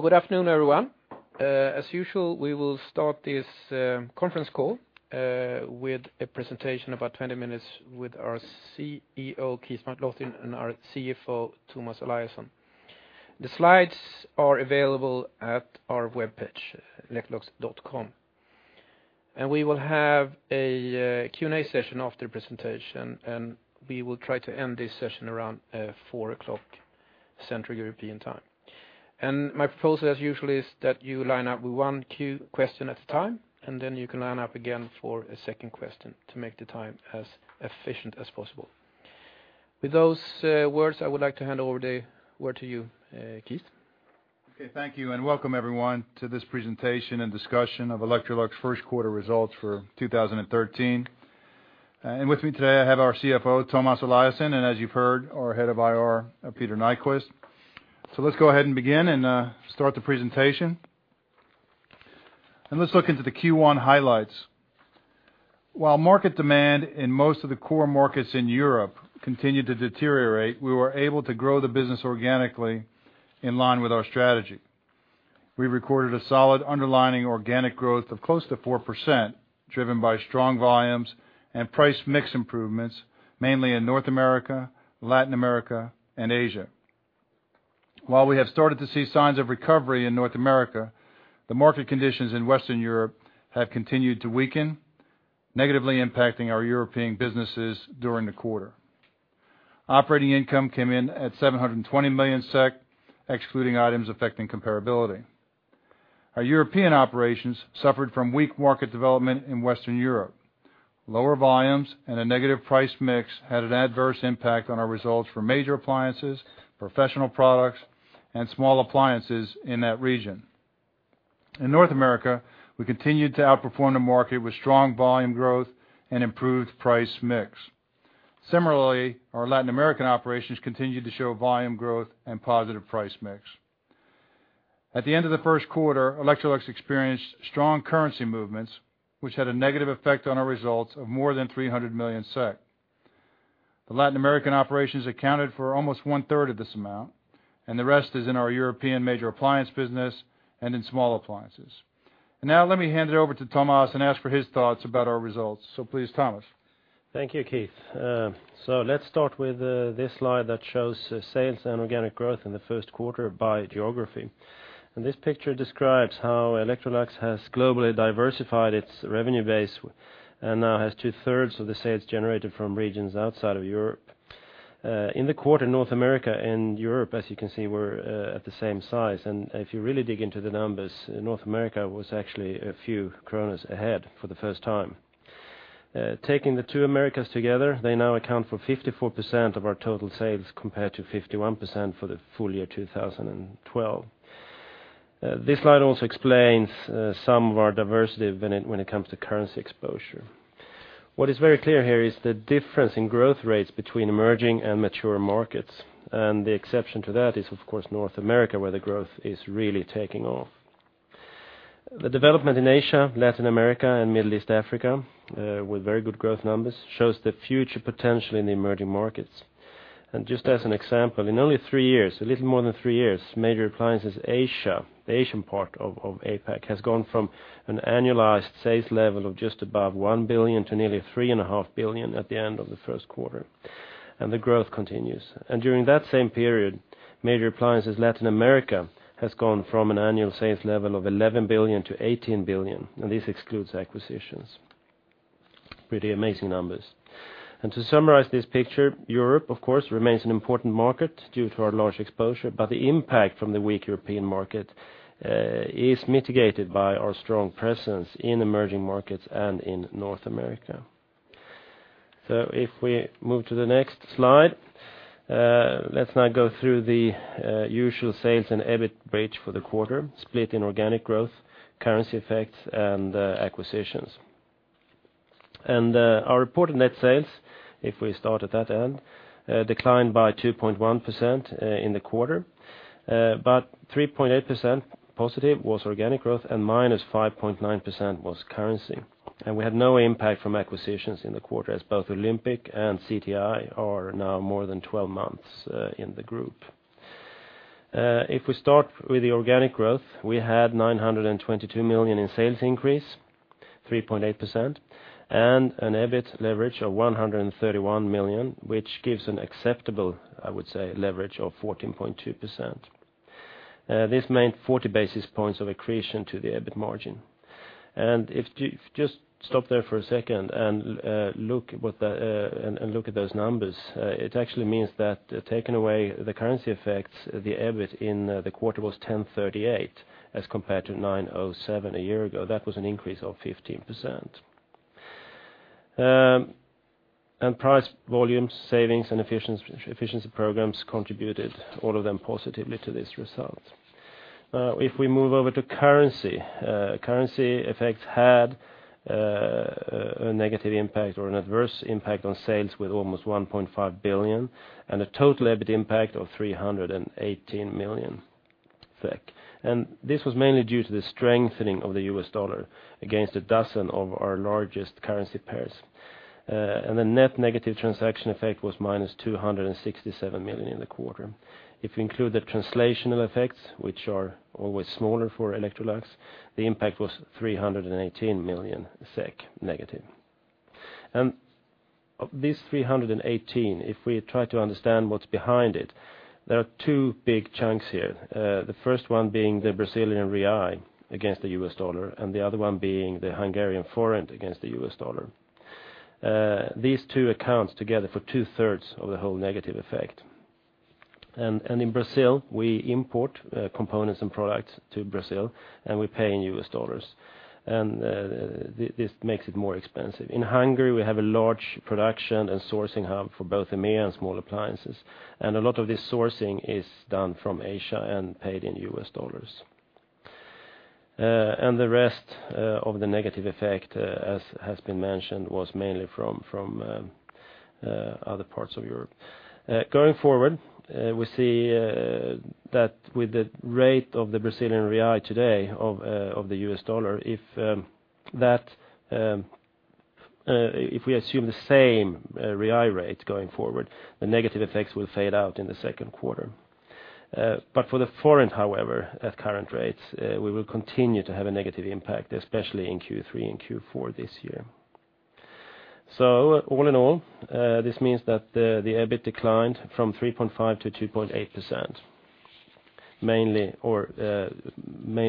Good afternoon, everyone. As usual, we will start this conference call with a presentation about 20 minutes with our CEO Keith McLoughlin and our CFO Tomas Eliasson. The slides are available at our webpage, Electrolux.com. We will have a Q&A session after the presentation, and we will try to end this session around 4:00 P.M. Central European Time. My proposal, as usual, is that you line up with one question at a time, and then you can line up again for a 2nd question to make the time as efficient as possible. With those words, I would like to hand over the word to you, Keith. Okay, thank you, welcome everyone to this presentation and discussion of Electrolux first quarter results for 2013. With me today, I have our CFO, Tomas Eliasson, and as you've heard, our Head of IR, Peter Nyquist. Let's go ahead and begin and start the presentation. Let's look into the Q1 highlights. While market demand in most of the core markets in Europe continued to deteriorate, we were able to grow the business organically in line with our strategy. We recorded a solid underlying organic growth of close to 4%, driven by strong volumes and price mix improvements, mainly in North America, Latin America, and Asia. While we have started to see signs of recovery in North America, the market conditions in Western Europe have continued to weaken, negatively impacting our European businesses during the quarter. Operating income came in at 720 million SEK, excluding items affecting comparability. Our European operations suffered from weak market development in Western Europe. Lower volumes and a negative price mix had an adverse impact on our results for major appliances, professional products, and small appliances in that region. In North America, we continued to outperform the market with strong volume growth and improved price mix. Similarly, our Latin American operations continued to show volume growth and positive price mix. At the end of the first quarter, Electrolux experienced strong currency movements, which had a negative effect on our results of more than 300 million SEK. The Latin American operations accounted for almost one-third of this amount, and the rest is in our European major appliance business and in small appliances. Now let me hand it over to Tomas and ask for his thoughts about our results. Please, Tomas. Thank you, Keith. Let's start with this slide that shows sales and organic growth in the first quarter by geography. This picture describes how Electrolux has globally diversified its revenue base and now has 2/3 of the sales generated from regions outside of Europe. In the quarter, North America and Europe, as you can see, were at the same size. If you really dig into the numbers, North America was actually a few kronors ahead for the first time. Taking the two Americas together, they now account for 54% of our total sales, compared to 51% for the full year, 2012. This slide also explains some of our diversity when it comes to currency exposure. What is very clear here is the difference in growth rates between emerging and mature markets, and the exception to that is, of course, North America, where the growth is really taking off. The development in Asia, Latin America, and Middle East Africa, with very good growth numbers, shows the future potential in the emerging markets. Just as an example, in only three years, a little more than three years, Major Appliances Asia, the Asian part of APAC, has gone from an annualized sales level of just above 1 billion to nearly 3.5 billion at the end of the first quarter, and the growth continues. During that same period, Major Appliances Latin America has gone from an annual sales level of 11 billion to 18 billion, and this excludes acquisitions. Pretty amazing numbers. Europe, of course, remains an important market due to our large exposure, but the impact from the weak European market is mitigated by our strong presence in emerging markets and in North America. If we move to the next slide, let's now go through the usual sales and EBIT bridge for the quarter, split in organic growth, currency effects, and acquisitions. Our reported net sales, if we start at that end, declined by 2.1% in the quarter. But 3.8% positive was organic growth, and minus 5.9% was currency. We had no impact from acquisitions in the quarter, as both Olympic and CTI are now more than 12 months in the group. If we start with the organic growth, we had 922 million in sales increase, 3.8%, and an EBIT leverage of 131 million, which gives an acceptable, I would say, leverage of 14.2%. This meant 40 basis points of accretion to the EBIT margin. If you just stop there for a second and look at those numbers, it actually means that taking away the currency effects, the EBIT in the quarter was 1,038, as compared to 907 a year ago. That was an increase of 15%. Price, volume, savings, and efficiency programs contributed all of them positively to this result. If we move over to currency effects had a negative impact or an adverse impact on sales with almost 1.5 billion and a total EBIT impact of 318 million. This was mainly due to the strengthening of the U.S. dollar against a dozen of our largest currency pairs. The net negative transaction effect was -267 million in the quarter. If you include the translational effects, which are always smaller for Electrolux, the impact was -318 million SEK. Of this 318 million, if we try to understand what's behind it, there are two big chunks here. The first one being the Brazilian real against the U.S. dollar, and the other one being the Hungarian forint against the U.S. dollar. These two accounts together for 2/3 of the whole negative effect. In Brazil, we import components and products to Brazil, and we pay in U.S. dollars. This makes it more expensive. In Hungary, we have a large production and sourcing hub for both EMEA and small appliances, and a lot of this sourcing is done from Asia and paid in U.S. dollars. The rest of the negative effect, as has been mentioned, was mainly from other parts of Europe. Going forward, we see that with the rate of the Brazilian real today of the U.S. dollar, if we assume the same real rate going forward, the negative effects will fade out in the second quarter. For the forint, however, at current rates, we will continue to have a negative impact, especially in Q3 and Q4 this year. All in all, this means that the EBIT declined from 3.5% to 2.8%, mainly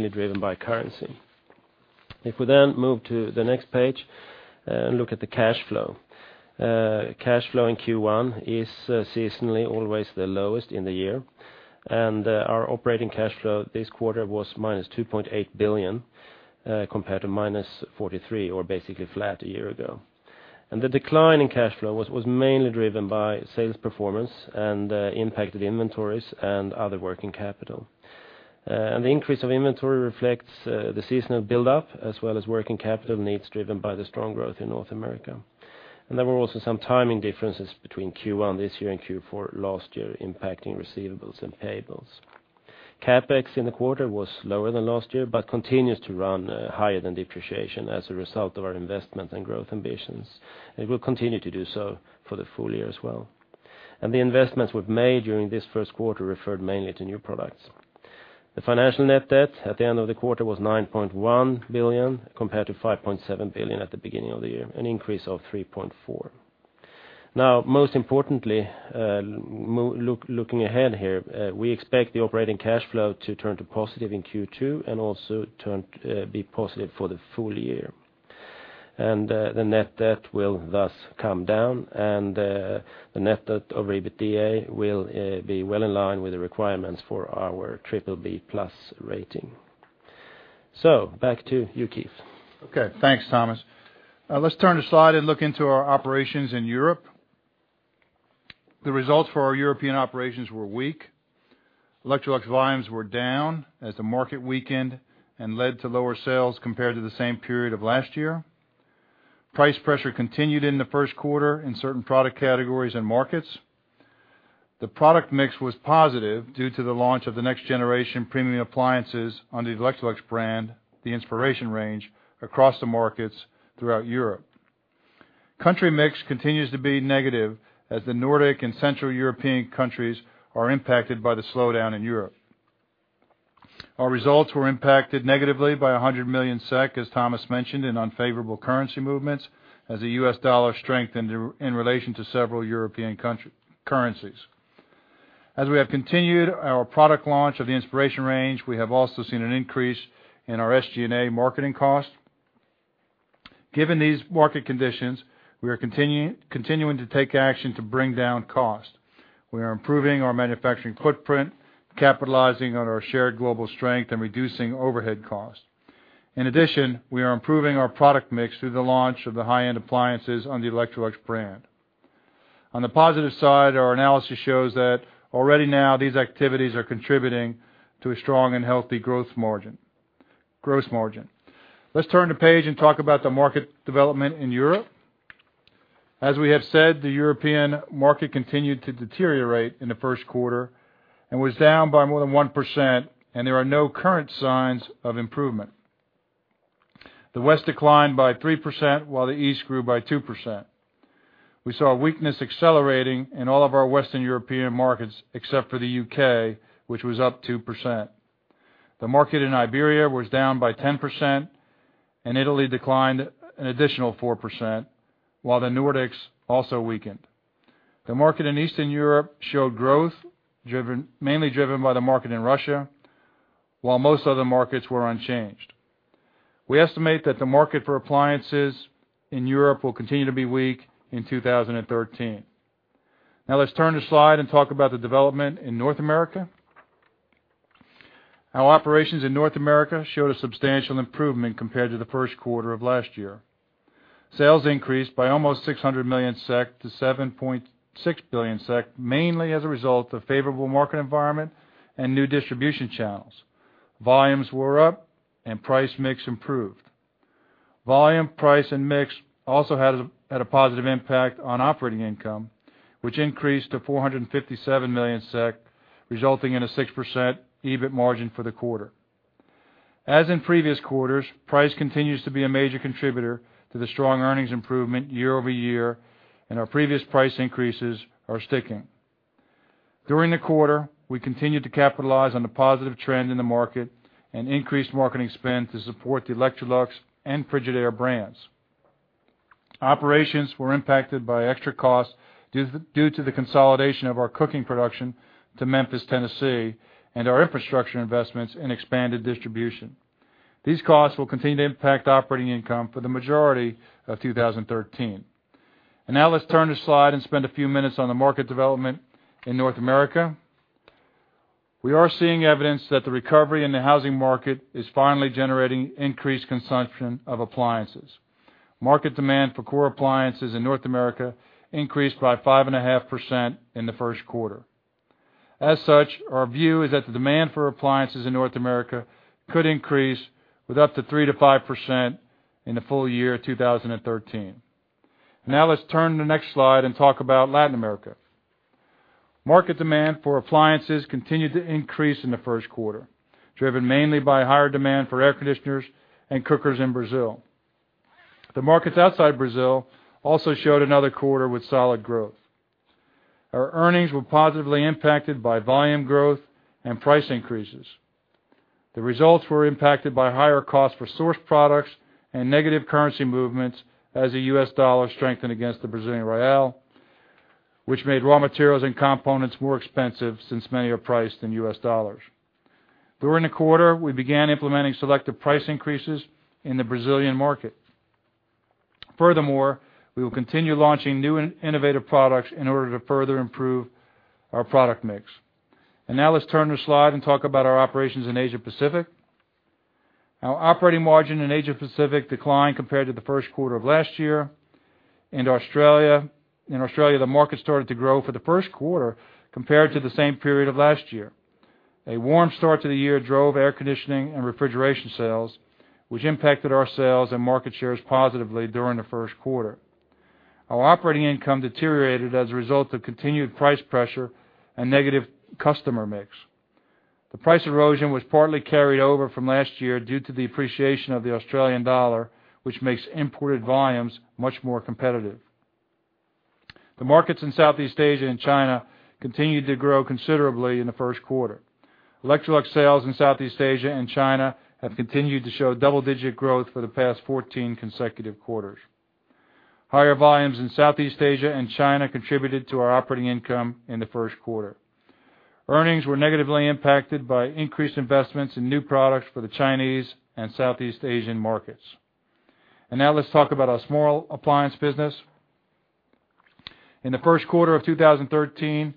driven by currency. We then move to the next page and look at the cash flow. Cash flow in Q1 is seasonally always the lowest in the year, and our operating cash flow this quarter was -2.8 billion, compared to -43, or basically flat a year ago. The decline in cash flow was mainly driven by sales performance and impacted inventories and other working capital. The increase of inventory reflects the seasonal build-up, as well as working capital needs, driven by the strong growth in North America. There were also some timing differences between Q1 this year and Q4 last year, impacting receivables and payables. CapEx in the quarter was lower than last year, but continues to run higher than depreciation as a result of our investment and growth ambitions, and will continue to do so for the full year as well. The investments we've made during this first quarter referred mainly to new products. The financial net debt at the end of the quarter was 9.1 billion, compared to 5.7 billion at the beginning of the year, an increase of 3.4 billion. Now, most importantly, looking ahead here, we expect the operating cash flow to turn to positive in Q2 and also turn to be positive for the full year. The net debt will thus come down, and the net debt of EBITDA will be well in line with the requirements for our BBB+ rating. Back to you, Keith. Okay, thanks, Tomas. Let's turn the slide and look into our operations in Europe. The results for our European operations were weak. Electrolux volumes were down as the market weakened and led to lower sales compared to the same period of last year. Price pressure continued in the first quarter in certain product categories and markets. The product mix was positive due to the launch of the next generation premium appliances on the Electrolux brand, the Inspiration Range, across the markets throughout Europe. Country mix continues to be negative as the Nordic and Central European countries are impacted by the slowdown in Europe. Our results were impacted negatively by 100 million SEK as Tomas mentioned, in unfavorable currency movements as the U.S. dollar strengthened in relation to several European currencies. As we have continued our product launch of the Inspiration Range, we have also seen an increase in our SG&A marketing cost. Given these market conditions, we are continuing to take action to bring down cost. We are improving our manufacturing footprint, capitalizing on our shared global strength, and reducing overhead cost. In addition, we are improving our product mix through the launch of the high-end appliances on the Electrolux brand. On the positive side, our analysis shows that already now, these activities are contributing to a strong and healthy gross margin. Let's turn the page and talk about the market development in Europe. As we have said, the European market continued to deteriorate in the first quarter and was down by more than 1%, and there are no current signs of improvement. The West declined by 3%, while the East grew by 2%. We saw a weakness accelerating in all of our Western European markets, except for the U.K., which was up 2%. The market in Iberia was down by 10%. Italy declined an additional 4%, while the Nordics also weakened. The market in Eastern Europe showed growth, mainly driven by the market in Russia, while most other markets were unchanged. We estimate that the market for appliances in Europe will continue to be weak in 2013. Let's turn the slide and talk about the development in North America. Our operations in North America showed a substantial improvement compared to the first quarter of last year. Sales increased by almost 600 million SEK to 7.6 billion SEK, mainly as a result of favorable market environment and new distribution channels. Volumes were up and price mix improved. Volume, price, and mix also had a positive impact on operating income, which increased to 457 million SEK, resulting in a 6% EBIT margin for the quarter. As in previous quarters, price continues to be a major contributor to the strong earnings improvement year-over-year, our previous price increases are sticking. During the quarter, we continued to capitalize on the positive trend in the market and increased marketing spend to support the Electrolux and Frigidaire brands. Operations were impacted by extra costs due to the consolidation of our cooking production to Memphis, Tennessee, and our infrastructure investments in expanded distribution. These costs will continue to impact operating income for the majority of 2013. Now let's turn the slide and spend a few minutes on the market development in North America. We are seeing evidence that the recovery in the housing market is finally generating increased consumption of appliances. Market demand for core appliances in North America increased by 5.5% in the first quarter. Our view is that the demand for appliances in North America could increase with up to 3%-5% in the full year 2013. Let's turn to the next slide and talk about Latin America. Market demand for appliances continued to increase in the first quarter, driven mainly by higher demand for air conditioners and cookers in Brazil. The markets outside Brazil also showed another quarter with solid growth. Our earnings were positively impacted by volume growth and price increases. The results were impacted by higher costs for sourced products and negative currency movements as the U.S. dollar strengthened against the Brazilian real, which made raw materials and components more expensive since many are priced in U.S. dollars. During the quarter, we began implementing selective price increases in the Brazilian market. Furthermore, we will continue launching new and innovative products in order to further improve our product mix. Now let's turn the slide and talk about our operations in Asia Pacific. Our operating margin in Asia Pacific declined compared to the first quarter of last year. In Australia, the market started to grow for the first quarter compared to the same period of last year. A warm start to the year drove air conditioning and refrigeration sales, which impacted our sales and market shares positively during the first quarter. Our operating income deteriorated as a result of continued price pressure and negative customer mix. The price erosion was partly carried over from last year due to the appreciation of the Australian dollar, which makes imported volumes much more competitive. The markets in Southeast Asia and China continued to grow considerably in the first quarter. Electrolux sales in Southeast Asia and China have continued to show 14 double-digit growth for the past consecutive quarters. Higher volumes in Southeast Asia and China contributed to our operating income in the first quarter. Earnings were negatively impacted by increased investments in new products for the Chinese and Southeast Asian markets. Now let's talk about our small appliance business. In the first quarter of 2013,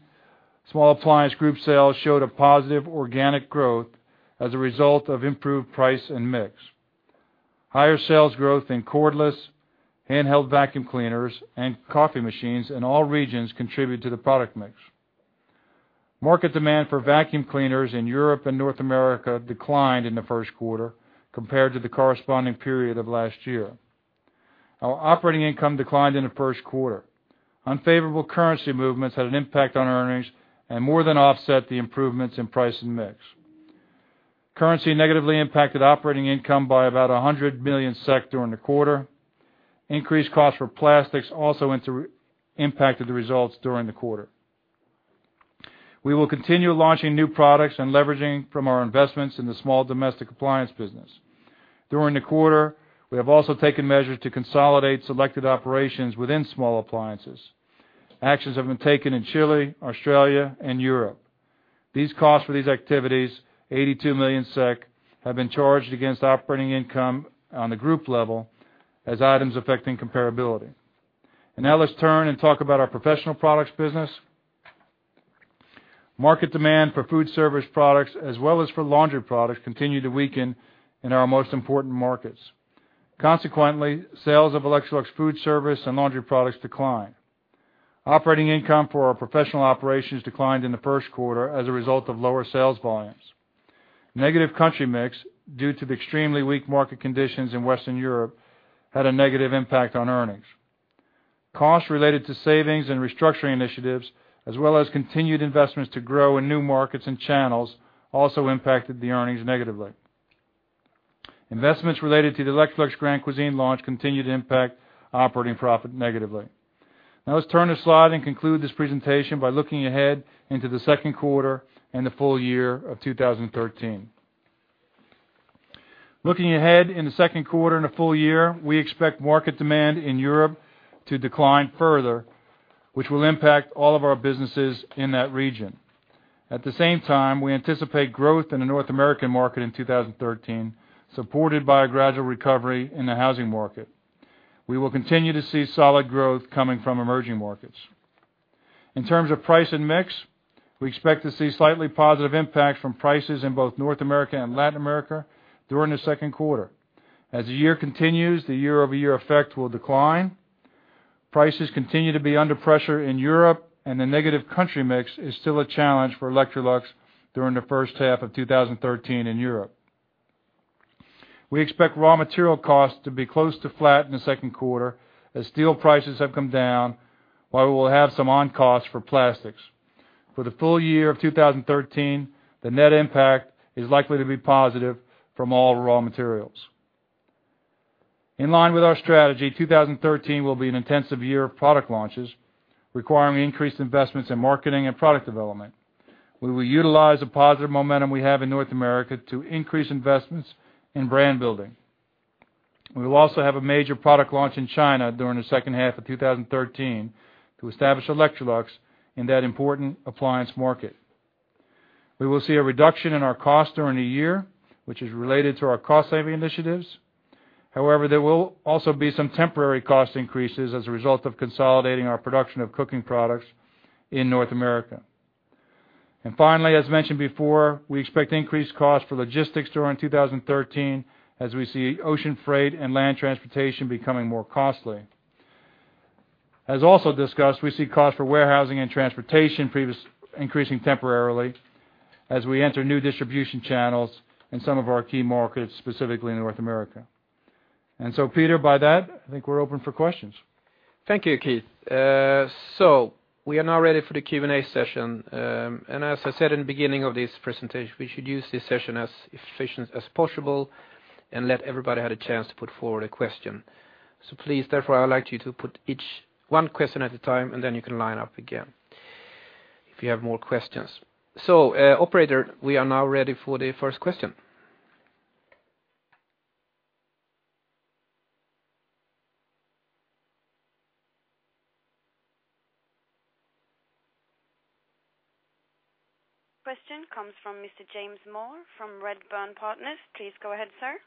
small appliance group sales showed a positive organic growth as a result of improved price and mix. Higher sales growth in cordless, handheld vacuum cleaners, and coffee machines in all regions contributed to the product mix. Market demand for vacuum cleaners in Europe and North America declined in the first quarter compared to the corresponding period of last year. Our operating income declined in the first quarter. Unfavorable currency movements had an impact on earnings and more than offset the improvements in price and mix. Currency negatively impacted operating income by about 100 million SEK during the quarter. Increased costs for plastics also impacted the results during the quarter. We will continue launching new products and leveraging from our investments in the small domestic appliance business. During the quarter, we have also taken measures to consolidate selected operations within small appliances. Actions have been taken in Chile, Australia, and Europe. These costs for these activities, 82 million SEK, have been charged against operating income on the group level as items affecting comparability. Now let's turn and talk about our professional products business. Market demand for food service products, as well as for laundry products, continued to weaken in our most important markets. Consequently, sales of Electrolux food service and laundry products declined. Operating income for our professional operations declined in the first quarter as a result of lower sales volumes. Negative country mix, due to the extremely weak market conditions in Western Europe, had a negative impact on earnings. Costs related to savings and restructuring initiatives, as well as continued investments to grow in new markets and channels, also impacted the earnings negatively. Investments related to the Electrolux Grand Cuisine launch continued to impact operating profit negatively. Let's turn the slide and conclude this presentation by looking ahead into the second quarter and the full year of 2013. Looking ahead in the second quarter and the full year, we expect market demand in Europe to decline further, which will impact all of our businesses in that region. At the same time, we anticipate growth in the North American market in 2013, supported by a gradual recovery in the housing market. We will continue to see solid growth coming from emerging markets. In terms of price and mix, we expect to see slightly positive impacts from prices in both North America and Latin America during the second quarter. As the year continues, the year-over-year effect will decline. Prices continue to be under pressure in Europe, the negative country mix is still a challenge for Electrolux during the first half of 2013 in Europe. We expect raw material costs to be close to flat in the second quarter as steel prices have come down, while we will have some on-costs for plastics. For the full year of 2013, the net impact is likely to be positive from all raw materials. In line with our strategy, 2013 will be an intensive year of product launches, requiring increased investments in marketing and product development. We will utilize the positive momentum we have in North America to increase investments in brand building. We will also have a major product launch in China during the second half of 2013, to establish Electrolux in that important appliance market. We will see a reduction in our cost during the year, which is related to our cost-saving initiatives. However, there will also be some temporary cost increases as a result of consolidating our production of cooking products in North America. Finally, as mentioned before, we expect increased costs for logistics during 2013, as we see ocean freight and land transportation becoming more costly. As also discussed, we see cost for warehousing and transportation increasing temporarily as we enter new distribution channels in some of our key markets, specifically in North America. Peter, by that, I think we're open for questions. Thank you, Keith. We are now ready for the Q&A session. As I said in the beginning of this presentation, we should use this session as efficient as possible and let everybody have a chance to put forward a question. Please, therefore, I would like you to put each one question at a time, you can line up again if you have more questions. Operator, we are now ready for the first question. Question comes from Mr. James Moore from Redburn Partners. Please go ahead, sir.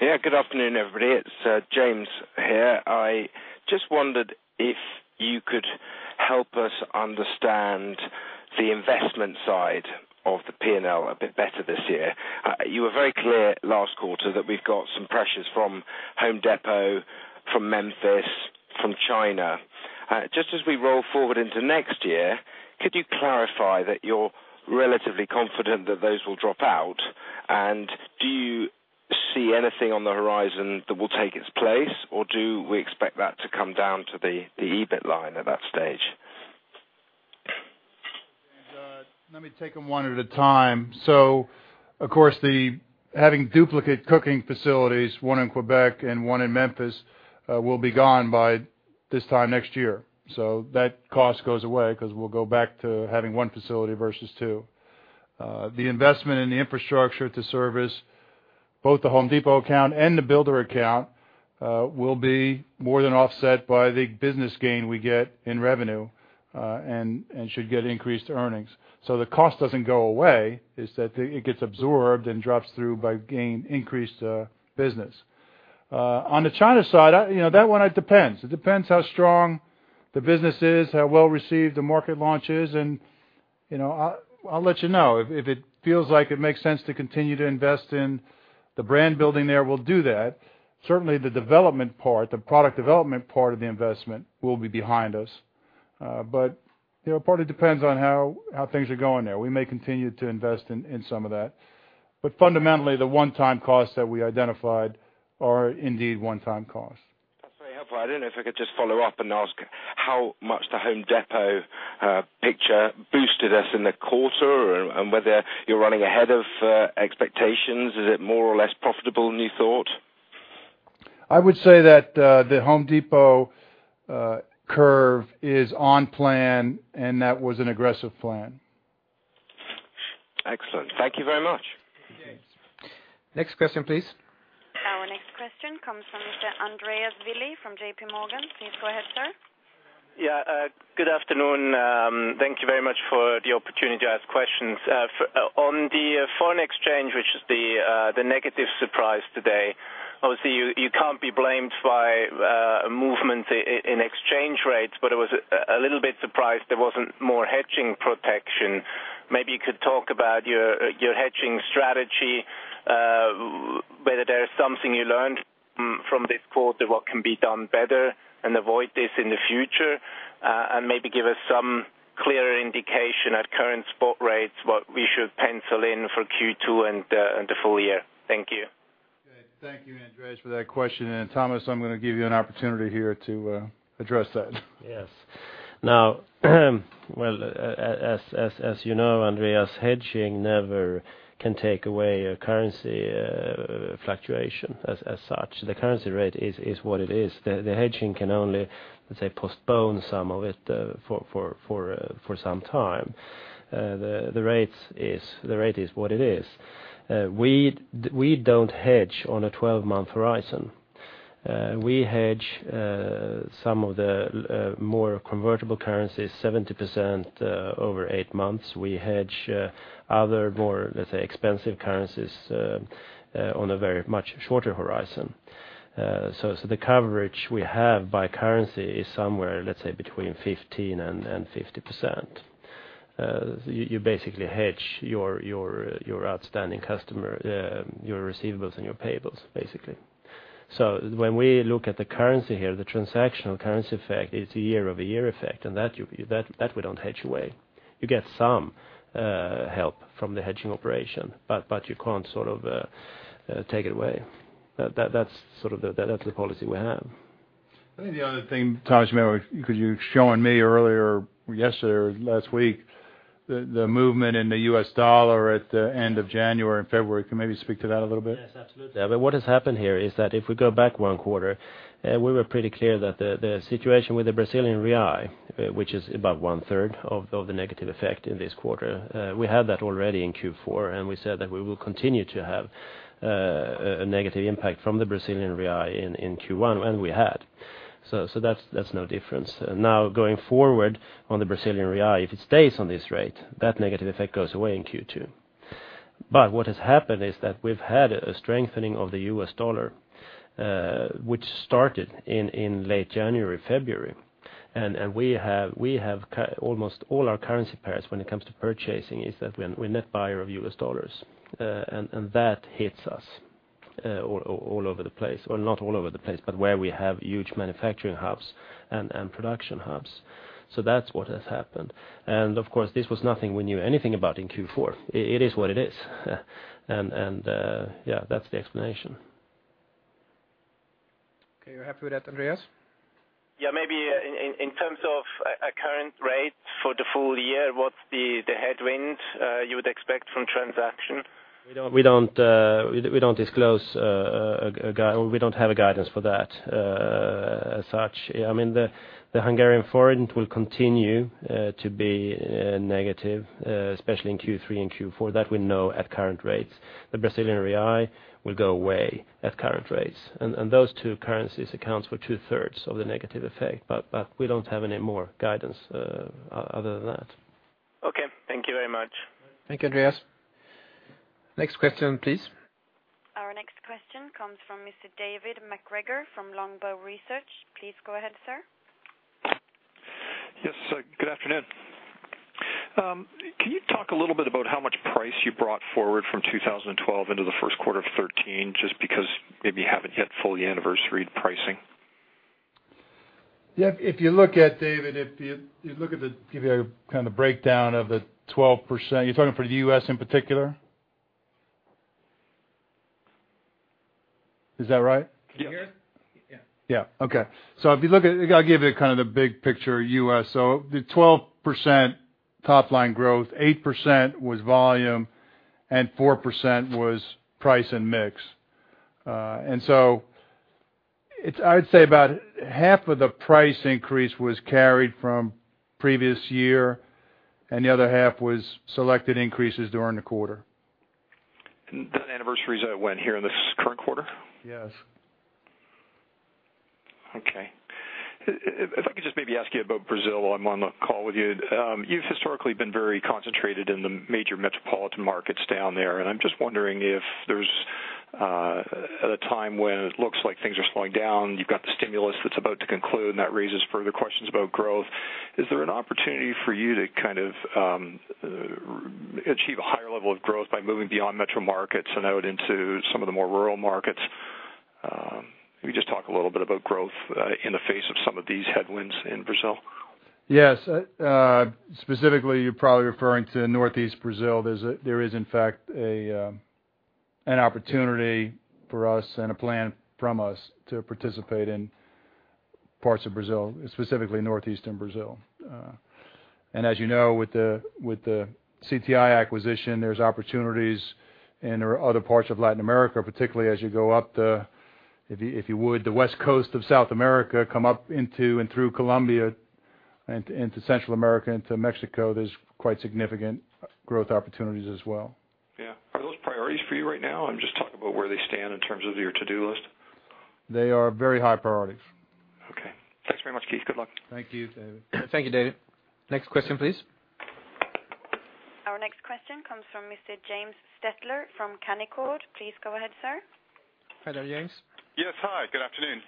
Good afternoon, everybody. It's James here. I just wondered if you could help us understand the investment side of the P&L a bit better this year. You were very clear last quarter that we've got some pressures from Home Depot, from Memphis, from China. Just as we roll forward into next year, could you clarify that you're relatively confident that those will drop out? Do you see anything on the horizon that will take its place, or do we expect that to come down to the EBIT line at that stage? Let me take them one at a time. Of course, the having duplicate cooking facilities, one in Quebec and one in Memphis, will be gone by this time next year. That cost goes away because we'll go back to having one facility versus two. The investment in the infrastructure to service both The Home Depot account and the builder account, will be more than offset by the business gain we get in revenue, and should get increased earnings. The cost doesn't go away, is that it gets absorbed and drops through by gain increased business. On the China side, you know, that one, it depends. It depends how strong the business is, how well received the market launch is, and, you know, I'll let you know. If it feels like it makes sense to continue to invest in the brand building there, we'll do that. Certainly, the development part, the product development part of the investment will be behind us. You know, part of it depends on how things are going there. We may continue to invest in some of that, but fundamentally, the one-time costs that we identified are indeed one-time costs. That's very helpful. I don't know if I could just follow up and ask how much the Home Depot picture boosted us in the quarter and whether you're running ahead of expectations. Is it more or less profitable than you thought? I would say that, the Home Depot curve is on plan, and that was an aggressive plan. Excellent. Thank you very much. Okay. Next question, please. Our next question comes from Mr. Andreas Willi from JPMorgan. Please go ahead, sir. Yeah, good afternoon. Thank you very much for the opportunity to ask questions. On the foreign exchange, which is the negative surprise today, obviously, you can't be blamed by movement in exchange rates, but I was a little bit surprised there wasn't more hedging protection. Maybe you could talk about your hedging strategy, whether there is something you learned from this quarter, what can be done better and avoid this in the future? Maybe give us some clear indication at current spot rates, what we should pencil in for Q2 and the full year. Thank you. Okay. Thank you, Andreas, for that question. Tomas, I'm going to give you an opportunity here to address that. Yes. Now, well, as you know, Andreas, hedging never can take away a currency fluctuation as such. The currency rate is what it is. The hedging can only, let's say, postpone some of it for some time. The rate is what it is. We don't hedge on a 12-month horizon. We hedge some of the more convertible currencies, 70% over eight months. We hedge other more, let's say, expensive currencies on a very much shorter horizon. The coverage we have by currency is somewhere, let's say, between 15% and 50%. You basically hedge your outstanding customer, your receivables and your payables, basically. When we look at the currency here, the transactional currency effect is a year-over-year effect, and that we don't hedge away. You get some help from the hedging operation, but you can't sort of take it away. That's the policy we have. I think the other thing, Taj, maybe because you've shown me earlier, yesterday or last week, the movement in the US dollar at the end of January and February. Can you maybe speak to that a little bit? Yes, absolutely. What has happened here is that if we go back one quarter, we were pretty clear that the situation with the Brazilian real, which is about one third of the negative effect in this quarter, we had that already in Q4, and we said that we will continue to have a negative impact from the Brazilian real in Q1, and we had. That's no difference. Now, going forward on the Brazilian real, if it stays on this rate, that negative effect goes away in Q2. What has happened is that we've had a strengthening of the U.S. dollar, which started in late January, February. We have almost all our currency pairs when it comes to purchasing, is that we're net buyer of U.S. dollars, and that hits us all over the place, or not all over the place, but where we have huge manufacturing hubs and production hubs. That's what has happened. Of course, this was nothing we knew anything about in Q4. It is what it is. Yeah, that's the explanation. Okay, you're happy with that, Andreas? Yeah, maybe in terms of a current rate for the full year, what's the headwind you would expect from transaction? We don't disclose or we don't have a guidance for that as such. I mean, the Hungarian forint will continue to be negative especially in Q3 and Q4. That we know at current rates. The Brazilian real will go away at current rates, and those two currencies account for two-thirds of the negative effect. We don't have any more guidance other than that. Okay. Thank you very much. Thank you, Andreas. Next question, please. Our next question comes from Mr. David MacGregor from Longbow Research. Please go ahead, sir. Good afternoon. Can you talk a little bit about how much price you brought forward from 2012 into the first quarter of 2013, just because maybe you haven't yet fully anniversaried pricing? Yeah, if you look at, David, if you look at the, give you a kind of breakdown of the 12%. You're talking for the U.S. in particular? Is that right? Can you hear? Yeah. Yeah. Okay. I'll give you kind of the big picture, U.S. The 12% top-line growth, 8% was volume, and 4% was price and mix. I'd say about half of the price increase was carried from previous year, and the other half was selected increases during the quarter. That anniversaries that went here in this current quarter? Yes. Okay. If I could just maybe ask you about Brazil while I'm on the call with you. You've historically been very concentrated in the major metropolitan markets down there, I'm just wondering if there's at a time when it looks like things are slowing down, you've got the stimulus that's about to conclude, and that raises further questions about growth. Is there an opportunity for you to kind of achieve a higher level of growth by moving beyond metro markets and out into some of the more rural markets? Can you just talk a little bit about growth in the face of some of these headwinds in Brazil? Yes. Specifically, you're probably referring to Northeast Brazil. There is, in fact, an opportunity for us and a plan from us to participate in parts of Brazil, specifically northeastern Brazil. As you know, with the CTI acquisition, there's opportunities in other parts of Latin America, particularly as you go up the, if you would, the West Coast of South America, come up into and through Colombia and into Central America, into Mexico, there's quite significant growth opportunities as well. Yeah. Are those priorities for you right now? I'm just talking about where they stand in terms of your to-do list. They are very high priorities. Thanks very much, Keith. Good luck. Thank you, David. Thank you, David. Next question, please. Our next question comes from Mr. James Stettler from Canaccord. Please go ahead, sir. Hi there, James. Yes, hi, good afternoon.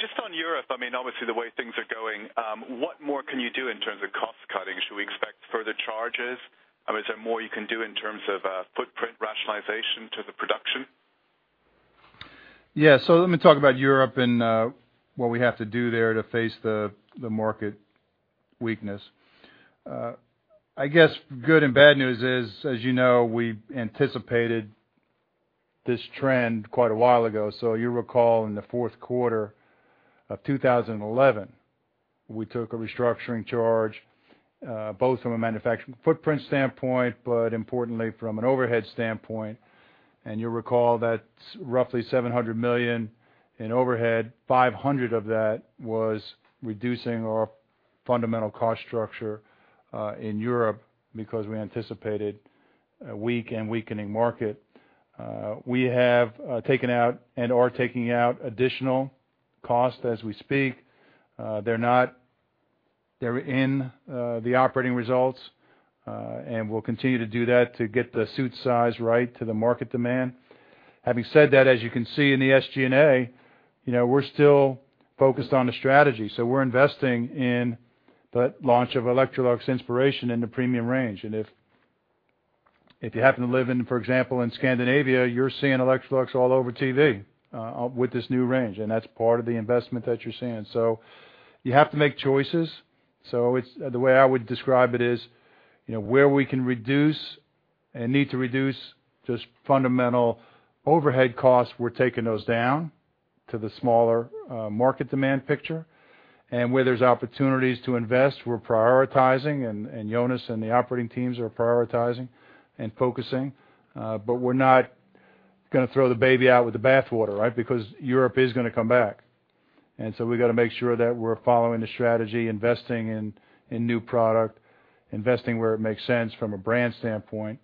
just on Europe, I mean, obviously the way things are going, what more can you do in terms of cost cutting? Should we expect further charges? I mean, is there more you can do in terms of, footprint rationalization to the production? Let me talk about Europe and what we have to do there to face the market weakness. I guess good and bad news is, as you know, we anticipated this trend quite a while ago. You recall, in the fourth quarter of 2011, we took a restructuring charge, both from a manufacturing footprint standpoint, but importantly, from an overhead standpoint. You'll recall that roughly 700 million in overhead, 500 million of that was reducing our fundamental cost structure in Europe because we anticipated a weak and weakening market. We have taken out and are taking out additional costs as we speak. They're in the operating results, we'll continue to do that to get the suit size right to the market demand. Having said that, as you can see in the SG&A-... You know, we're still focused on the strategy, so we're investing in the launch of Electrolux Inspiration in the premium range. If, if you happen to live in, for example, in Scandinavia, you're seeing Electrolux all over TV, with this new range, and that's part of the investment that you're seeing. You have to make choices. The way I would describe it is, you know, where we can reduce and need to reduce just fundamental overhead costs, we're taking those down to the smaller, market demand picture. Where there's opportunities to invest, we're prioritizing, and Jonas and the operating teams are prioritizing and focusing. We're not gonna throw the baby out with the bath water, right? Europe is gonna come back. We've got to make sure that we're following the strategy, investing in new product, investing where it makes sense from a brand standpoint,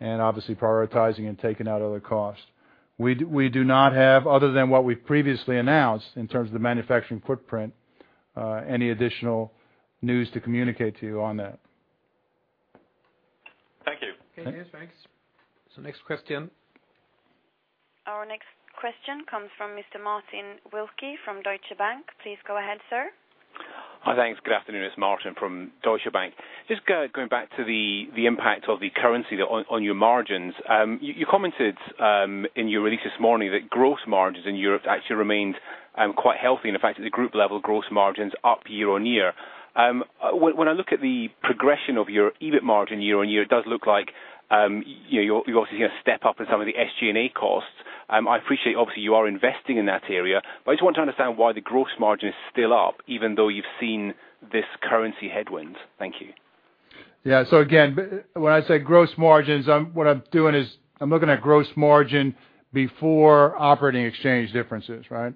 and obviously prioritizing and taking out other costs. We do not have, other than what we've previously announced in terms of the manufacturing footprint, any additional news to communicate to you on that. Thank you. Thanks. Okay, thanks. Next question. Our next question comes from Mr. Martin Wilkie from Deutsche Bank. Please go ahead, sir. Hi, thanks. Good afternoon, it's Martin from Deutsche Bank. Just going back to the impact of the currency on your margins. You commented in your release this morning that gross margins in Europe actually remained quite healthy. In fact, at the group level, gross margins up year-on-year. When I look at the progression of your EBIT margin year-on-year, it does look like, you know, you're obviously going to step up in some of the SG&A costs. I appreciate, obviously, you are investing in that area, but I just want to understand why the gross margin is still up, even though you've seen this currency headwind. Thank you. Again, when I say gross margins, what I'm doing is I'm looking at gross margin before operating exchange differences, right?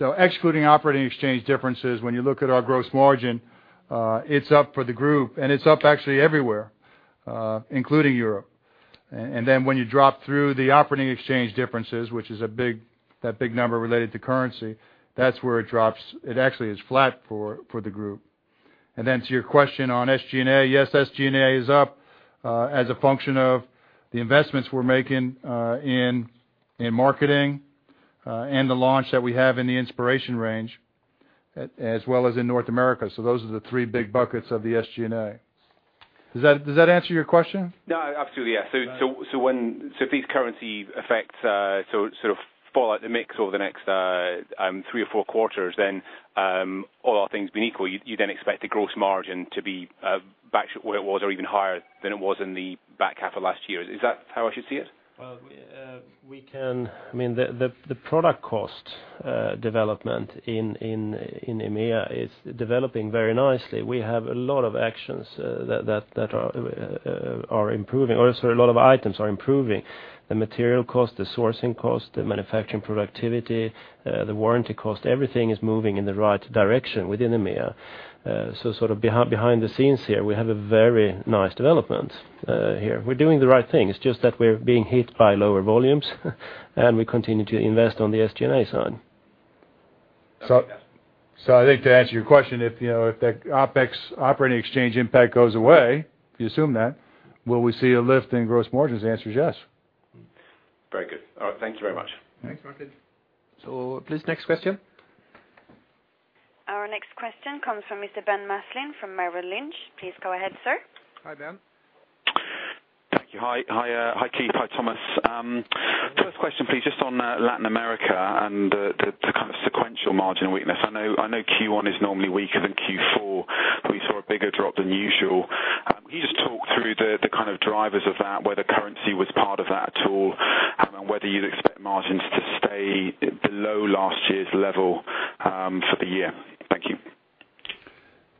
Excluding operating exchange differences, when you look at our gross margin, it's up for the group, and it's up actually everywhere, including Europe. When you drop through the operating exchange differences, which is that big number related to currency, that's where it drops. It actually is flat for the group. To your question on SG&A, yes, SG&A is up as a function of the investments we're making in marketing and the launch that we have in the Inspiration Range, as well as in North America. Those are the three big buckets of the SG&A. Does that answer your question? No, absolutely, yes. If these currency effects sort of fall out the mix over the next three or four quarters, all other things being equal, you then expect the gross margin to be back to where it was or even higher than it was in the back half of last year. Is that how I should see it? Well, I mean, the product cost development in EMEA is developing very nicely. We have a lot of actions that are improving, or sorry, a lot of items are improving. The material cost, the sourcing cost, the manufacturing productivity, the warranty cost, everything is moving in the right direction within EMEA. Sort of behind the scenes here, we have a very nice development here. We're doing the right thing. It's just that we're being hit by lower volumes. We continue to invest on the SG&A side. I think to answer your question, if, you know, if that OpEx operating exchange impact goes away, if you assume that, will we see a lift in gross margins? The answer is yes. Very good. All right. Thank you very much. Thanks, Martin. Please, next question. Our next question comes from Mr. Ben Maslen, from Merrill Lynch. Please go ahead, sir. Hi, Ben. Thank you. Hi, hi, Keith. Hi, Tomas. First question, please, just on Latin America and the kind of sequential margin weakness. I know Q1 is normally weaker than Q4, we saw a bigger drop than usual. Can you just talk through the kind of drivers of that, whether currency was part of that at all, and whether you'd expect margins to stay below last year's level for the year? Thank you.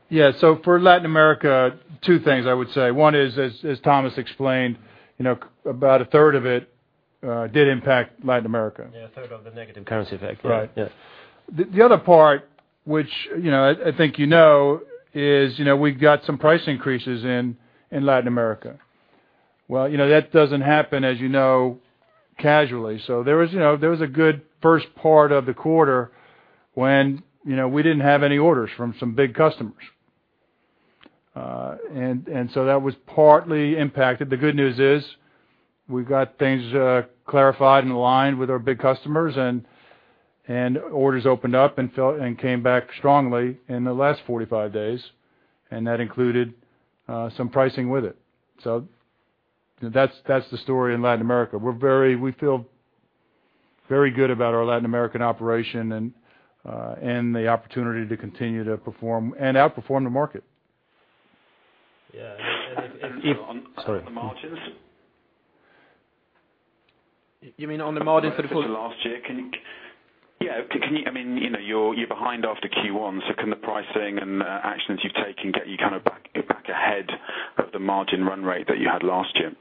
For Latin America, two things I would say. One is, as Tomas explained, you know, about a third of it, did impact Latin America. Yeah, a third of the negative currency effect. Right. Yes. The other part, which, you know, I think you know, is, you know, we got some price increases in Latin America. You know, that doesn't happen, as you know, casually. There was, you know, there was a good first part of the quarter when, you know, we didn't have any orders from some big customers. And so that was partly impacted. The good news is, we've got things clarified and aligned with our big customers, and orders opened up and came back strongly in the last 45 days, and that included some pricing with it. That's, that's the story in Latin America. We feel very good about our Latin American operation and the opportunity to continue to perform and outperform the market. Yeah. On the margins? You mean on the margin?... Last year, I mean, you know, you're behind after Q1, can the pricing and actions you've taken get you kind of back ahead of the margin run rate that you had last year?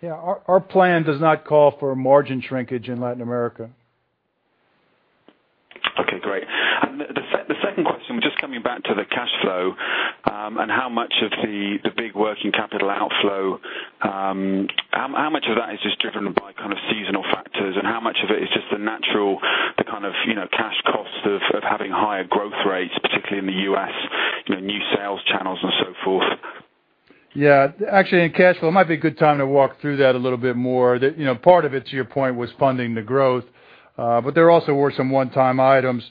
Yeah. Our plan does not call for a margin shrinkage in Latin America. Okay, great. The second question, just coming back to the cash flow, and how much of the big working capital outflow, how much of that is just driven by kind of seasonal factors, and how much of it is just the natural, the kind of, you know, cash.... Yeah, actually in cash flow, it might be a good time to walk through that a little bit more. You know, part of it, to your point, was funding the growth, but there also were some one-time items.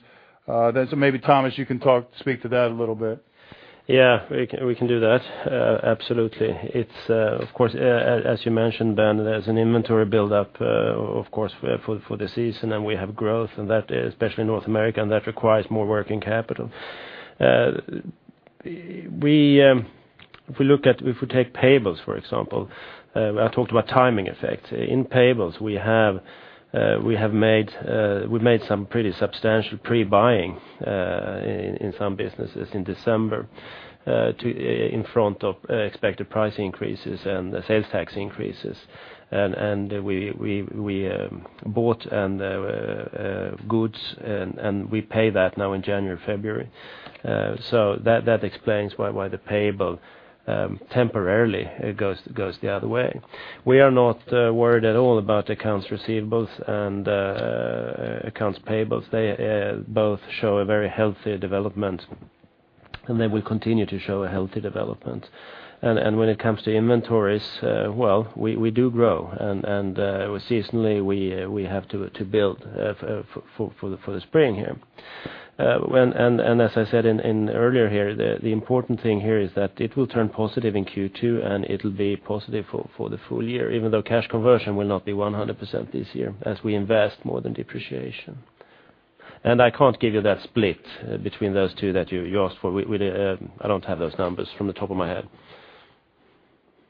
Maybe, Tomas, you can speak to that a little bit. Yeah, we can do that. Absolutely. It's of course, as you mentioned, Ben, there's an inventory buildup, of course, for the season, and we have growth, and that is especially in North America, and that requires more working capital. We, if we take payables, for example, I talked about timing effects. In payables, we made some pretty substantial pre-buying in some businesses in December to in front of expected price increases and the sales tax increases. We bought goods, and we pay that now in January, February. That explains why the payable temporarily it goes the other way. We are not worried at all about accounts receivables and accounts payables. They both show a very healthy development, and they will continue to show a healthy development. When it comes to inventories, well, we do grow and seasonally, we have to build for the spring here. When, as I said earlier here, the important thing here is that it will turn positive in Q2, and it'll be positive for the full year, even though cash conversion will not be 100% this year, as we invest more than depreciation. I can't give you that split between those two that you asked for. We, I don't have those numbers from the top of my head.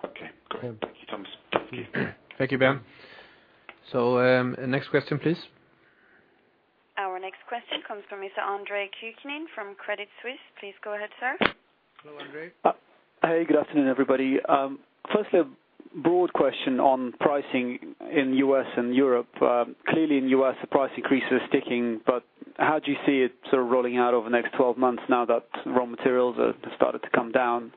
Okay, great. Thank you, Tomas. Thank you, Ben. Next question, please. Our next question comes from Mr. Andrew Kuske from Credit Suisse. Please go ahead, sir. Hello, Andrew. Hey, good afternoon, everybody. Firstly, a broad question on pricing in U.S. and Europe. Clearly in U.S., the price increase is sticking, but how do you see it sort of rolling out over the next 12 months now that raw materials have started to come down?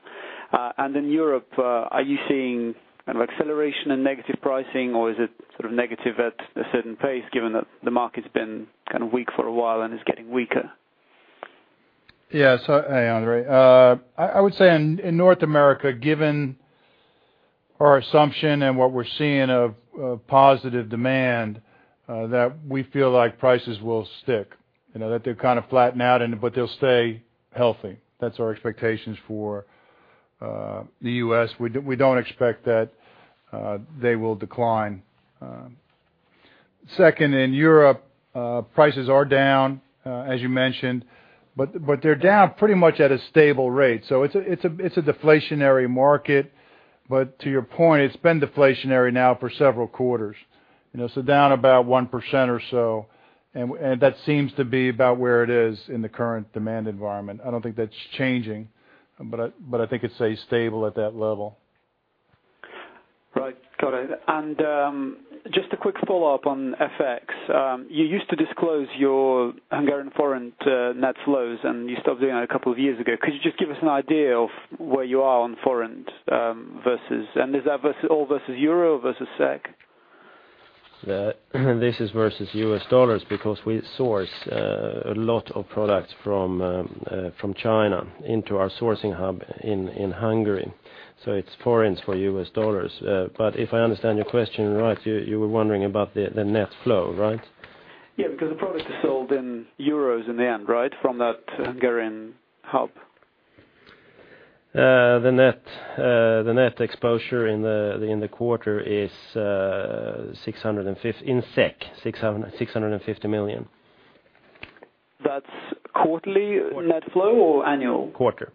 In Europe, are you seeing kind of acceleration in negative pricing, or is it sort of negative at a certain pace, given that the market's been kind of weak for a while and is getting weaker? Yes. Hey, Andrew. I would say in North America, given our assumption and what we're seeing of positive demand, that we feel like prices will stick, you know, that they're kind of flattening out, and but they'll stay healthy. That's our expectations for the U.S. We don't expect that they will decline. Second, in Europe, prices are down, as you mentioned, but they're down pretty much at a stable rate. It's a deflationary market, but to your point, it's been deflationary now for several quarters. You know, down about 1% or so, and that seems to be about where it is in the current demand environment. I don't think that's changing, but I think it stays stable at that level. Right. Got it. Just a quick follow-up on FX. You used to disclose your Hungarian forint net flows, and you stopped doing that a couple of years ago. Could you just give us an idea of where you are on foreign versus... is that versus, all versus euro, versus SEK? Yeah. This is versus U.S. dollars, because we source a lot of products from China into our sourcing hub in Hungary, so it's foreign for U.S. dollars. If I understand your question right, you were wondering about the net flow, right? Yeah, because the product is sold in euros in the end, right, from that Hungarian hub? The net exposure in the quarter is, in SEK 650 million. That's quarterly net flow or annual? Quarter.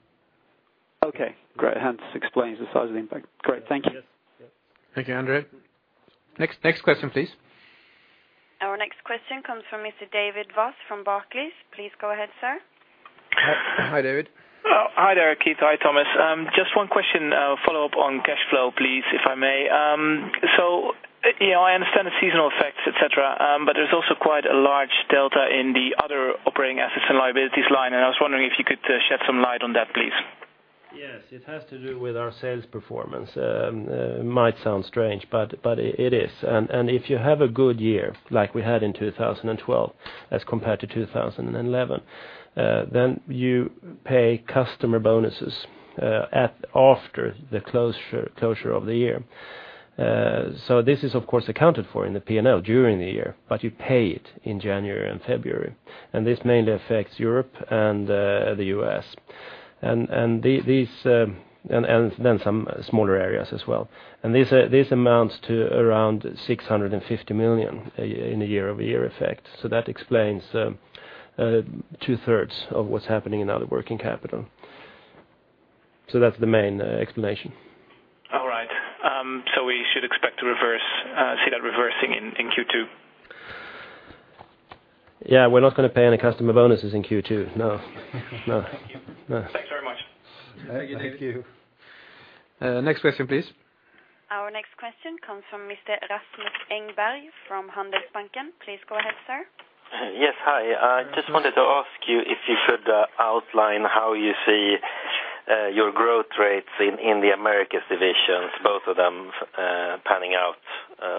Okay, great. Explains the size of the impact. Great. Thank you. Thank you, Andrew. Next question, please. Our next question comes from Mr. David Vos from Barclays. Please go ahead, sir. Hi, David. Hi there, Keith. Hi, Tomas. Just one question, follow-up on cash flow, please, if I may. You know, I understand the seasonal effects, et cetera. There's also quite a large delta in the other operating assets and liabilities line. I was wondering if you could shed some light on that, please. It has to do with our sales performance. might sound strange, but it is. If you have a good year, like we had in 2012, as compared to 2011, then you pay customer bonuses after the closure of the year. This is, of course, accounted for in the P&L during the year, but you pay it in January and February, and this mainly affects Europe and the U.S. These and then some smaller areas as well, and this amounts to around 650 million in a year-over-year effect. That explains two-thirds of what's happening in other working capital. That's the main explanation. All right. We should expect to reverse, see that reversing in Q2? Yeah. We're not going to pay any customer bonuses in Q2. No. No. Thank you. No. Thanks very much. Thank you. Next question, please. Our next question comes from Mr. Rasmus Engberg, from Handelsbanken. Please go ahead, sir. Yes. Hi, I just wanted to ask you if you could outline how you see your growth rates in the Americas divisions, both of them, panning out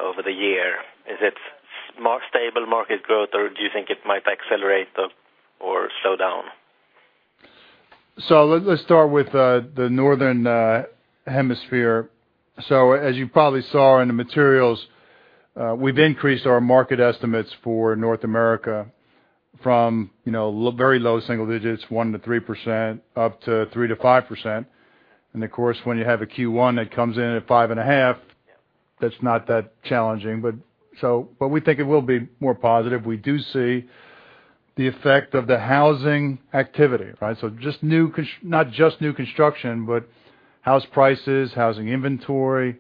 over the year. Is it more stable market growth, or do you think it might accelerate or slow down? Let's start with the northern hemisphere. As you probably saw in the materials, we've increased our market estimates for North America from, you know, very low single digits, 1%-3%, up to 3%-5%. Of course, when you have a Q1 that comes in at 5.5%, that's not that challenging. We think it will be more positive. We do see the effect of the housing activity, right? Not just new construction, but house prices, housing inventory,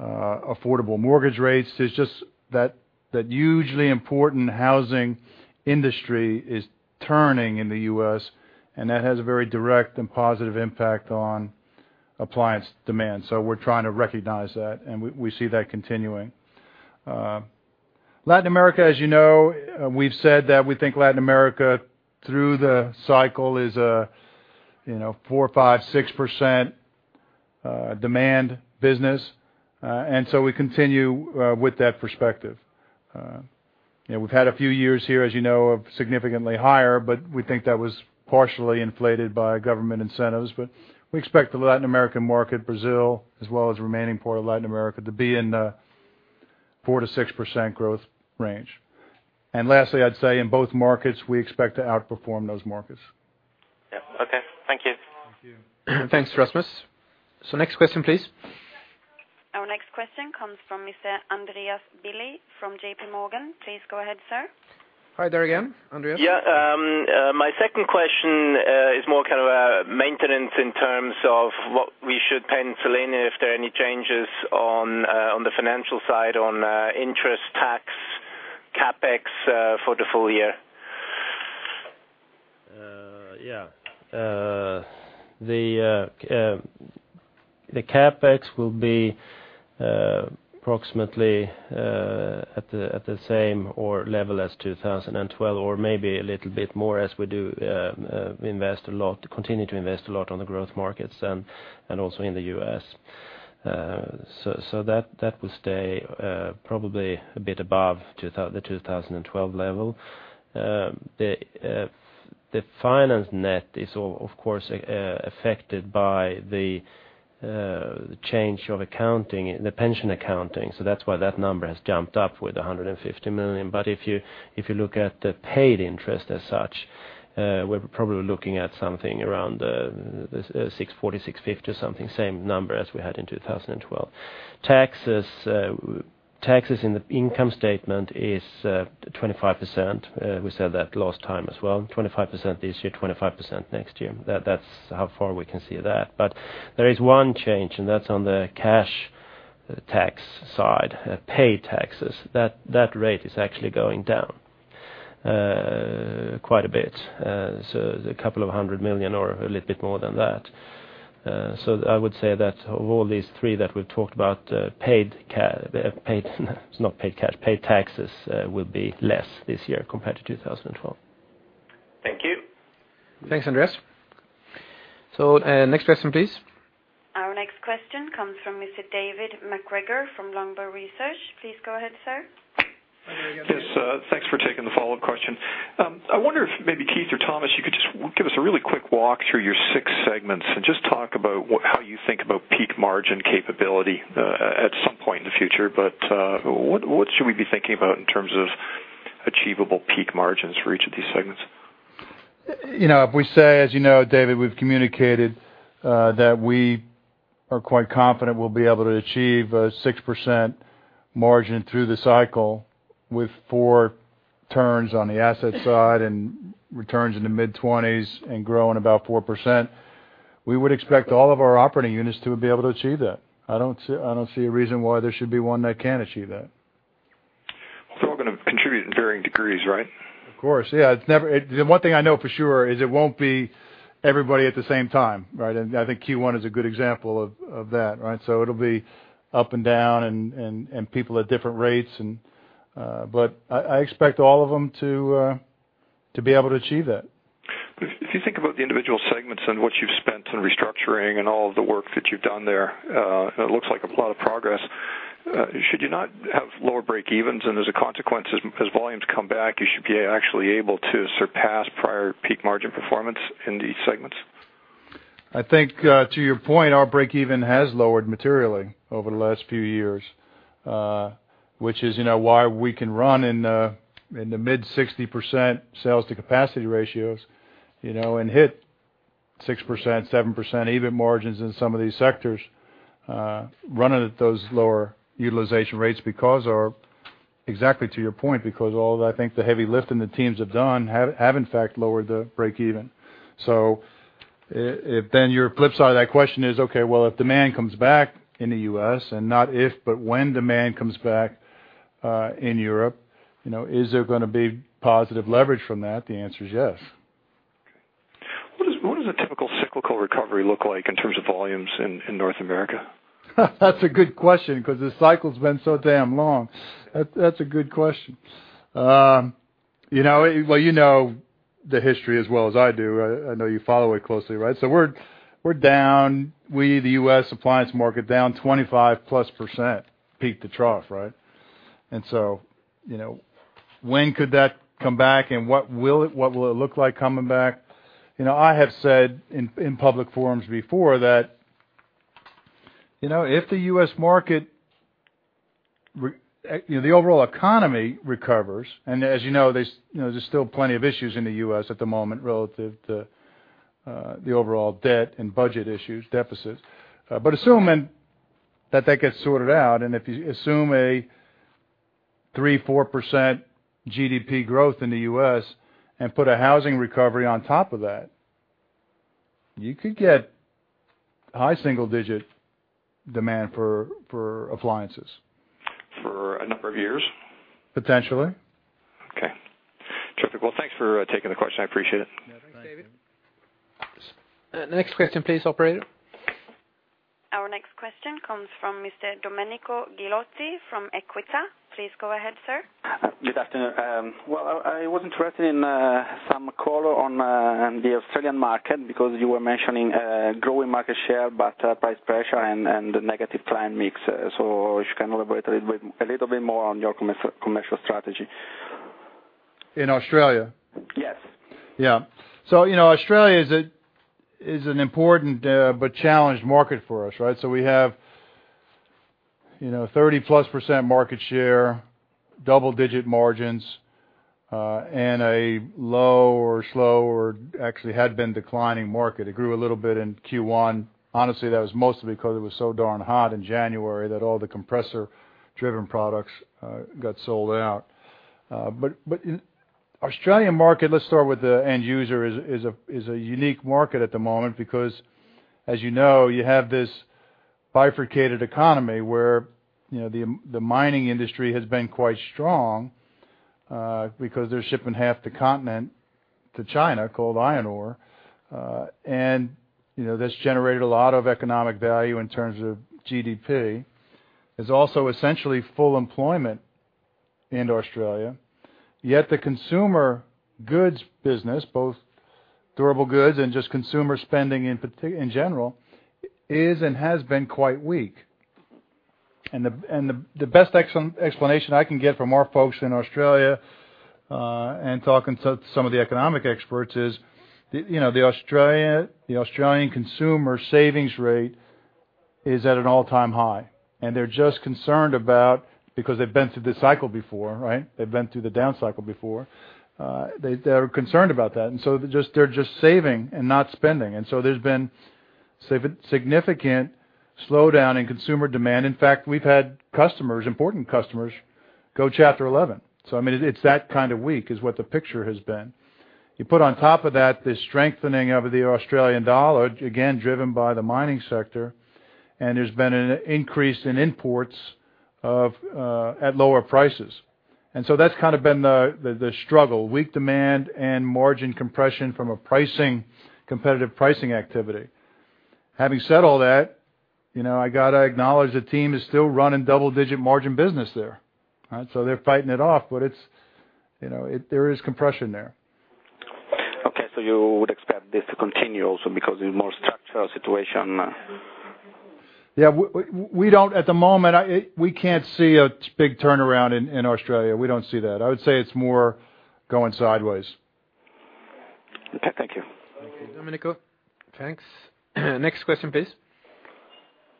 affordable mortgage rates. There's just that hugely important housing industry is turning in the U.S., and that has a very direct and positive impact on appliance demand. We're trying to recognize that, and we see that continuing. Latin America, as you know, we've said that we think Latin America, through the cycle, is a, you know, 4%, 5%, 6% demand business. We continue with that perspective. You know, we've had a few years here, as you know, of significantly higher, but we think that was partially inflated by government incentives. We expect the Latin American market, Brazil, as well as remaining part of Latin America, to be in the 4%-6% growth range. Lastly, I'd say in both markets, we expect to outperform those markets. Yeah. Okay, thank you. Thank you. Thanks, Rasmus. Next question, please. Our next question comes from Mr. Andreas Willi from JPMorgan. Please go ahead, sir. Hi there again, Andreas. My second question is more kind of maintenance in terms of what we should pencil in, if there are any changes on the financial side, on interest, tax, CapEx for the full year? Yeah. The CapEx will be approximately at the same level as 2012, or maybe a little bit more as we continue to invest a lot on the growth markets and also in the U.S. So that will stay probably a bit above the 2012 level. The finance net is of course affected by the change of accounting, the pension accounting, so that's why that number has jumped up with 150 million. If you look at the paid interest as such, we're probably looking at something around 640, 650 or something, same number as we had in 2012. Taxes, taxes in the income statement is 25%. We said that last time as well, 25% this year, 25% next year. That's how far we can see that. There is one change, and that's on the cash tax side, paid taxes. That rate is actually going down quite a bit, so a couple of 100 million or a little bit more than that. I would say that of all these three that we've talked about, paid it's not paid cash, paid taxes, will be less this year compared to 2012. Thank you. Thanks, Andreas. Next question, please. Our next question comes from Mr. David MacGregor from Longbow Research. Please go ahead, sir. Hi there again. Yes, thanks for taking the follow-up question. I wonder if maybe, Keith or Tomas, you could just give us a really quick walk through your six segments and just talk about how you think about peak margin capability, at some point in the future. What should we be thinking about in terms of achievable peak margins for each of these segments? You know, if we say, as you know, David, we've communicated that we are quite confident we'll be able to achieve a 6% margin through the cycle with 4 turns on the asset side and returns in the mid-20%s and growing about 4%, we would expect all of our operating units to be able to achieve that. I don't see a reason why there should be one that can't achieve that. We're all going to contribute in varying degrees, right? Of course. it's never... The one thing I know for sure is it won't be everybody at the same time, right? I think Q1 is a good example of that, right? It'll be up and down and people at different rates and. I expect all of them to be able to achieve that. If you think about the individual segments and what you've spent in restructuring and all of the work that you've done there, it looks like a lot of progress. Should you not have lower breakevens, and as a consequence, as volumes come back, you should be actually able to surpass prior peak margin performance in these segments? I think, to your point, our break even has lowered materially over the last few years, which is, you know, why we can run in the mid-60% sales to capacity ratios, you know, and hit 6%, 7% EBIT margins in some of these sectors, running at those lower utilization rates because of, exactly to your point, because all I think the heavy lifting the teams have done have in fact lowered the break even. If then your flip side of that question is, okay, well, if demand comes back in the U.S., and not if, but when demand comes back, in Europe, you know, is there gonna be positive leverage from that? The answer is yes. What does a typical cyclical recovery look like in terms of volumes in North America? That's a good question, because the cycle's been so damn long. That's a good question. You know, well, you know the history as well as I do. I know you follow it closely, right? We're down, the U.S. appliance market, down 25+% peak to trough, right? You know, when could that come back, and what will it look like coming back? You know, I have said in public forums before that, you know, if the U.S. market, you know, the overall economy recovers, and as you know, there's, you know, there's still plenty of issues in the U.S. at the moment relative to the overall debt and budget issues, deficit. Assuming that that gets sorted out, and if you assume a 3%, 4% GDP growth in the U.S. and put a housing recovery on top of that, you could get high single-digit demand for appliances. For a number of years? Potentially. Okay, terrific. Thanks for taking the question. I appreciate it. Yeah, thanks, David. Next question, please, operator. Our next question comes from Mr. Domenico Ghilotti from Equita. Please go ahead, sir. Good afternoon. I was interested in some call on the Australian market because you were mentioning growing market share, price pressure and the negative plan mix. If you can elaborate a little bit more on your commercial strategy? In Australia? Yes. Yeah. You know, Australia is an important but challenged market for us, right? We have, you know, 30%+ market share, double-digit margins, and a low or slow or actually had been declining market. It grew a little bit in Q1. Honestly, that was mostly because it was so darn hot in January that all the compressor-driven products got sold out. But Australian market, let's start with the end user, is a unique market at the moment because, as you know, you have this bifurcated economy where, you know, the mining industry has been quite strong because they're shipping half the continent to China, called iron ore. You know, that's generated a lot of economic value in terms of GDP. There's also essentially full employment in Australia, yet the consumer goods business, both durable goods and just consumer spending, in general, is and has been quite weak. The best explanation I can get from our folks in Australia, and talking to some of the economic experts is, you know, the Australian consumer savings rate is at an all-time high, and they're just concerned about. Because they've been through this cycle before, right? They've been through the down cycle before. They're concerned about that, they're just saving and not spending. There's been significant slowdown in consumer demand. In fact, we've had customers, important customers, go Chapter 11. I mean, it's that kind of weak, is what the picture has been. You put on top of that, the strengthening of the Australian dollar, again, driven by the mining sector, and there's been an increase in imports at lower prices. That's kind of been the struggle, weak demand and margin compression from a pricing, competitive pricing activity. Having said all that, you know, I got to acknowledge the team is still running double-digit margin business there, right? They're fighting it off, but it's, you know, there is compression there. Okay, you would expect this to continue also because it's a more structural situation? Yeah, we don't at the moment. We can't see a big turnaround in Australia. We don't see that. I would say it's more going sideways. Okay. Thank you. Thank you, Domenico. Thanks. Next question, please.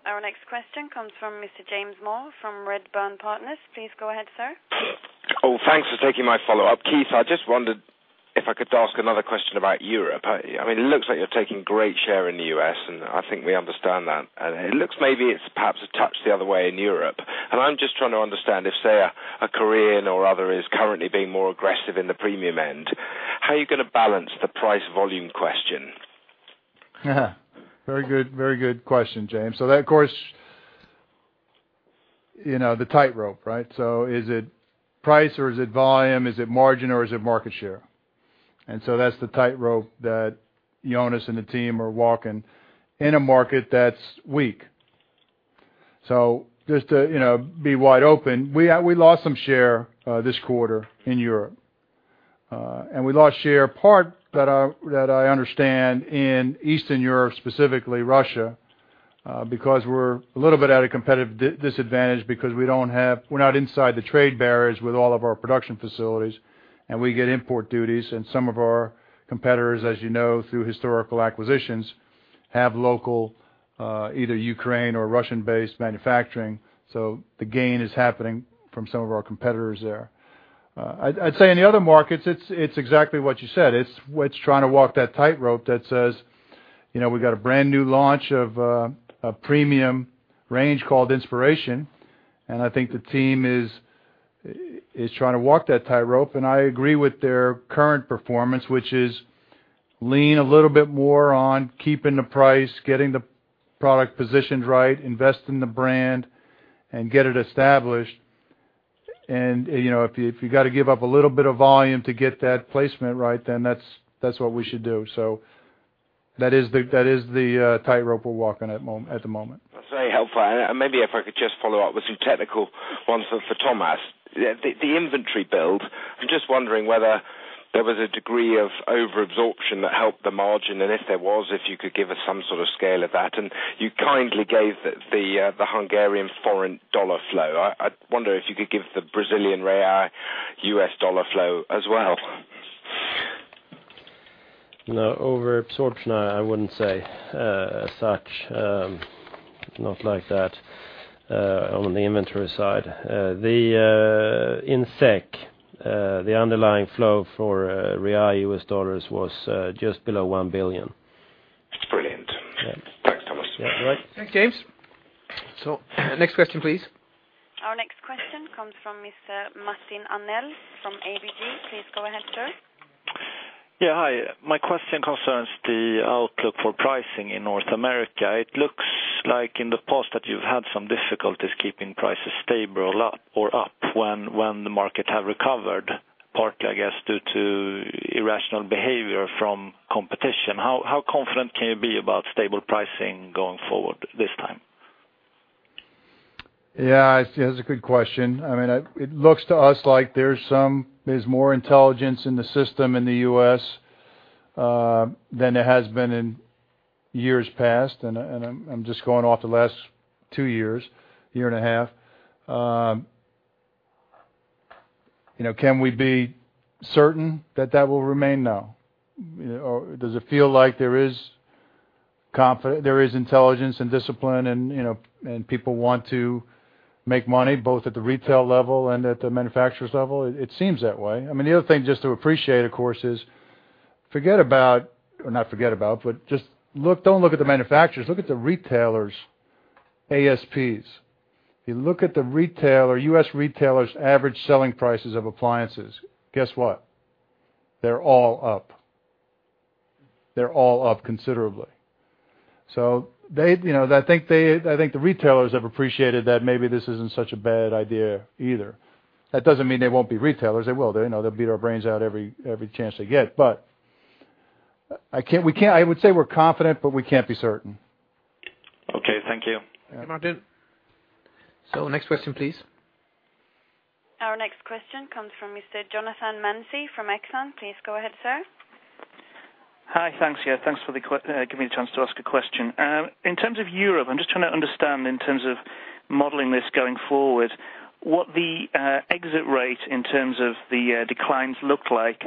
Our next question comes from Mr. James Moore from Redburn Partners. Please go ahead, sir. Oh, thanks for taking my follow-up. Keith, I just wondered if I could ask another question about Europe. I mean, it looks like you're taking great share in the U.S., I think we understand that. It looks maybe it's perhaps a touch the other way in Europe. I'm just trying to understand if, say, a Korean or other is currently being more aggressive in the premium end, how are you going to balance the price-volume question? Very good, very good question, James. That, of course, you know, the tightrope, right? Is it price or is it volume? Is it margin or is it market share? That's the tightrope that Jonas and the team are walking in a market that's weak. Just to, you know, be wide open, we lost some share this quarter in Europe. We lost share part that I understand in Eastern Europe, specifically Russia, because we're a little bit at a competitive disadvantage because we're not inside the trade barriers with all of our production facilities, and we get import duties. Some of our competitors, as you know, through historical acquisitions, have local, either Ukraine or Russian-based manufacturing. The gain is happening from some of our competitors there. I'd say in the other markets, it's exactly what you said. It's trying to walk that tightrope that says, you know, we've got a brand-new launch of a premium range called Inspiration, I think the team is trying to walk that tightrope. I agree with their current performance, which is lean a little bit more on keeping the price, getting the product positioned right, invest in the brand, and get it established. You know, if you, if you got to give up a little bit of volume to get that placement right, then that's what we should do. That is the tightrope we're walking at the moment. Very helpful. Maybe if I could just follow up with some technical ones for Tomas. The inventory build, I'm just wondering whether there was a degree of overabsorption that helped the margin, and if there was, if you could give us some sort of scale of that. You kindly gave the Hungarian forint dollar flow. I wonder if you could give the Brazilian real U.S. dollar flow as well. No, overabsorption, I wouldn't say as such, not like that. On the inventory side, the in SEK, the underlying flow for real U.S. dollars was just below $1 billion. It's brilliant. Yeah. Thanks, Tomas. Yeah, all right. Thanks, James. Next question, please. Our next question comes from Mr. Martin Arnell from ABG. Please go ahead, sir. Yeah, hi. My question concerns the outlook for pricing in North America. It looks like in the past that you've had some difficulties keeping prices stable or up when the market have recovered, partly, I guess, due to irrational behavior from competition. How confident can you be about stable pricing going forward this time? It's a good question. I mean, it looks to us like there's some, there's more intelligence in the system in the U.S. than there has been in years past, and I, and I'm just going off the last two years, year and a half. You know, can we be certain that that will remain? No. You know, or does it feel like there is intelligence and discipline and, you know, and people want to make money, both at the retail level and at the manufacturers level. It seems that way. I mean, the other thing, just to appreciate, of course, is forget about, or not forget about, but just look, don't look at the manufacturers, look at the retailers' ASPs. If you look at the retailer, U.S. retailers' average selling prices of appliances, guess what? They're all up. They're all up considerably. They, you know, I think the retailers have appreciated that maybe this isn't such a bad idea either. That doesn't mean they won't be retailers. They will. They, you know, they'll beat our brains out every chance they get, but we can't... I would say we're confident, but we can't be certain. Okay, thank you. Yeah, Martin. Next question, please. Our next question comes from Mr. Jonathan Mounsey from Exane. Please go ahead, sir. Hi. Thanks, yeah. Thanks for giving me a chance to ask a question. In terms of Europe, I'm just trying to understand in terms of modeling this going forward, what the exit rate in terms of the declines looked like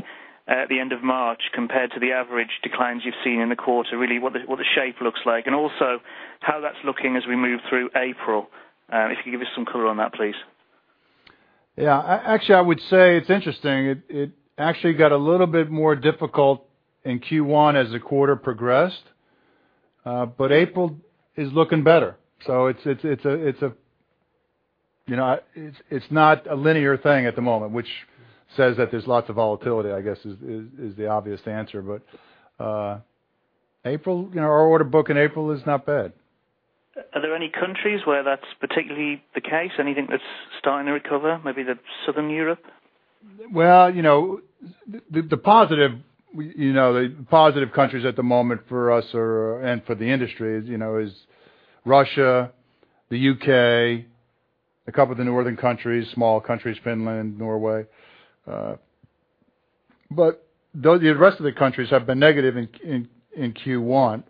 at the end of March compared to the average declines you've seen in the quarter, really, what the shape looks like, and also how that's looking as we move through April. If you could give us some color on that, please. Yeah. Actually, I would say it's interesting. It actually got a little bit more difficult in Q1 as the quarter progressed, but April is looking better. It's a, you know, it's not a linear thing at the moment, which says that there's lots of volatility, I guess, is the obvious answer. April, you know, our order book in April is not bad. Are there any countries where that's particularly the case? Anything that's starting to recover, maybe the Southern Europe? Well, you know, the positive countries at the moment for us are, and for the industry, is Russia, the U.K., a couple of the northern countries, small countries, Finland, Norway. Though the rest of the countries have been negative in Q1.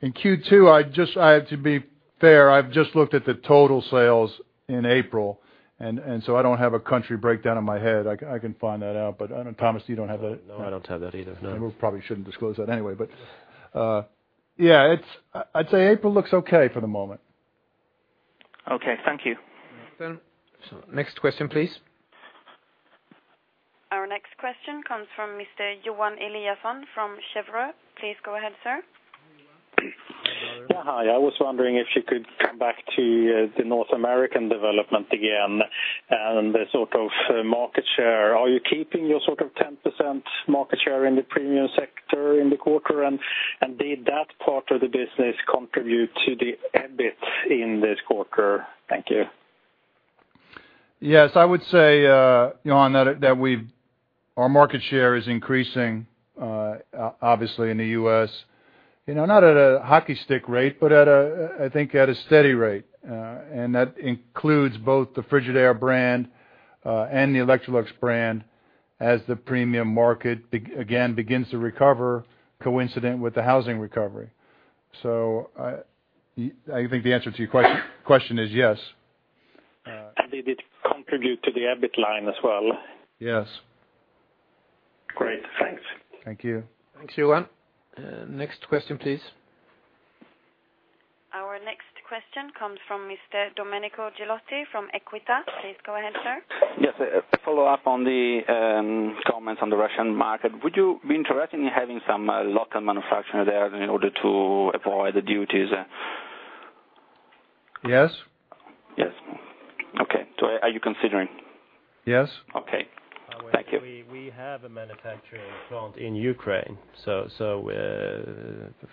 In Q2, I have to be fair, I've just looked at the total sales in April, so I don't have a country breakdown in my head. I can find that out, but I don't know, Tomas, you don't have that? No, I don't have that either, no. We probably shouldn't disclose that anyway, but, yeah, I'd say April looks okay for the moment. Okay. Thank you. Next question, please. Our next question comes from Mr. Johan Eliason from Kepler Cheuvreux. Please go ahead, sir. Yeah, hi. I was wondering if you could come back to the North American development again and the sort of market share. Are you keeping your sort of 10% market share in the premium sector in the quarter? Did that part of the business contribute to the EBIT in this quarter? Thank you. Yes, I would say, Johan, that our market share is increasing, obviously in the U.S. You know, not at a hockey stick rate, but at a, I think at a steady rate, and that includes both the Frigidaire brand and the Electrolux brand, as the premium market again begins to recover, coincident with the housing recovery. I think the answer to your question is yes. Did it contribute to the EBIT line as well? Yes. Great. Thanks. Thank you. Thanks, Johan. Next question, please. Our next question comes from Mr. Domenico Ghilotti from Equita. Please go ahead, sir. A follow-up on the comments on the Russian market. Would you be interested in having some local manufacturer there in order to avoid the duties? Yes. Yes. Okay. Are you considering? Yes. Okay. Thank you. We have a manufacturing plant in Ukraine, so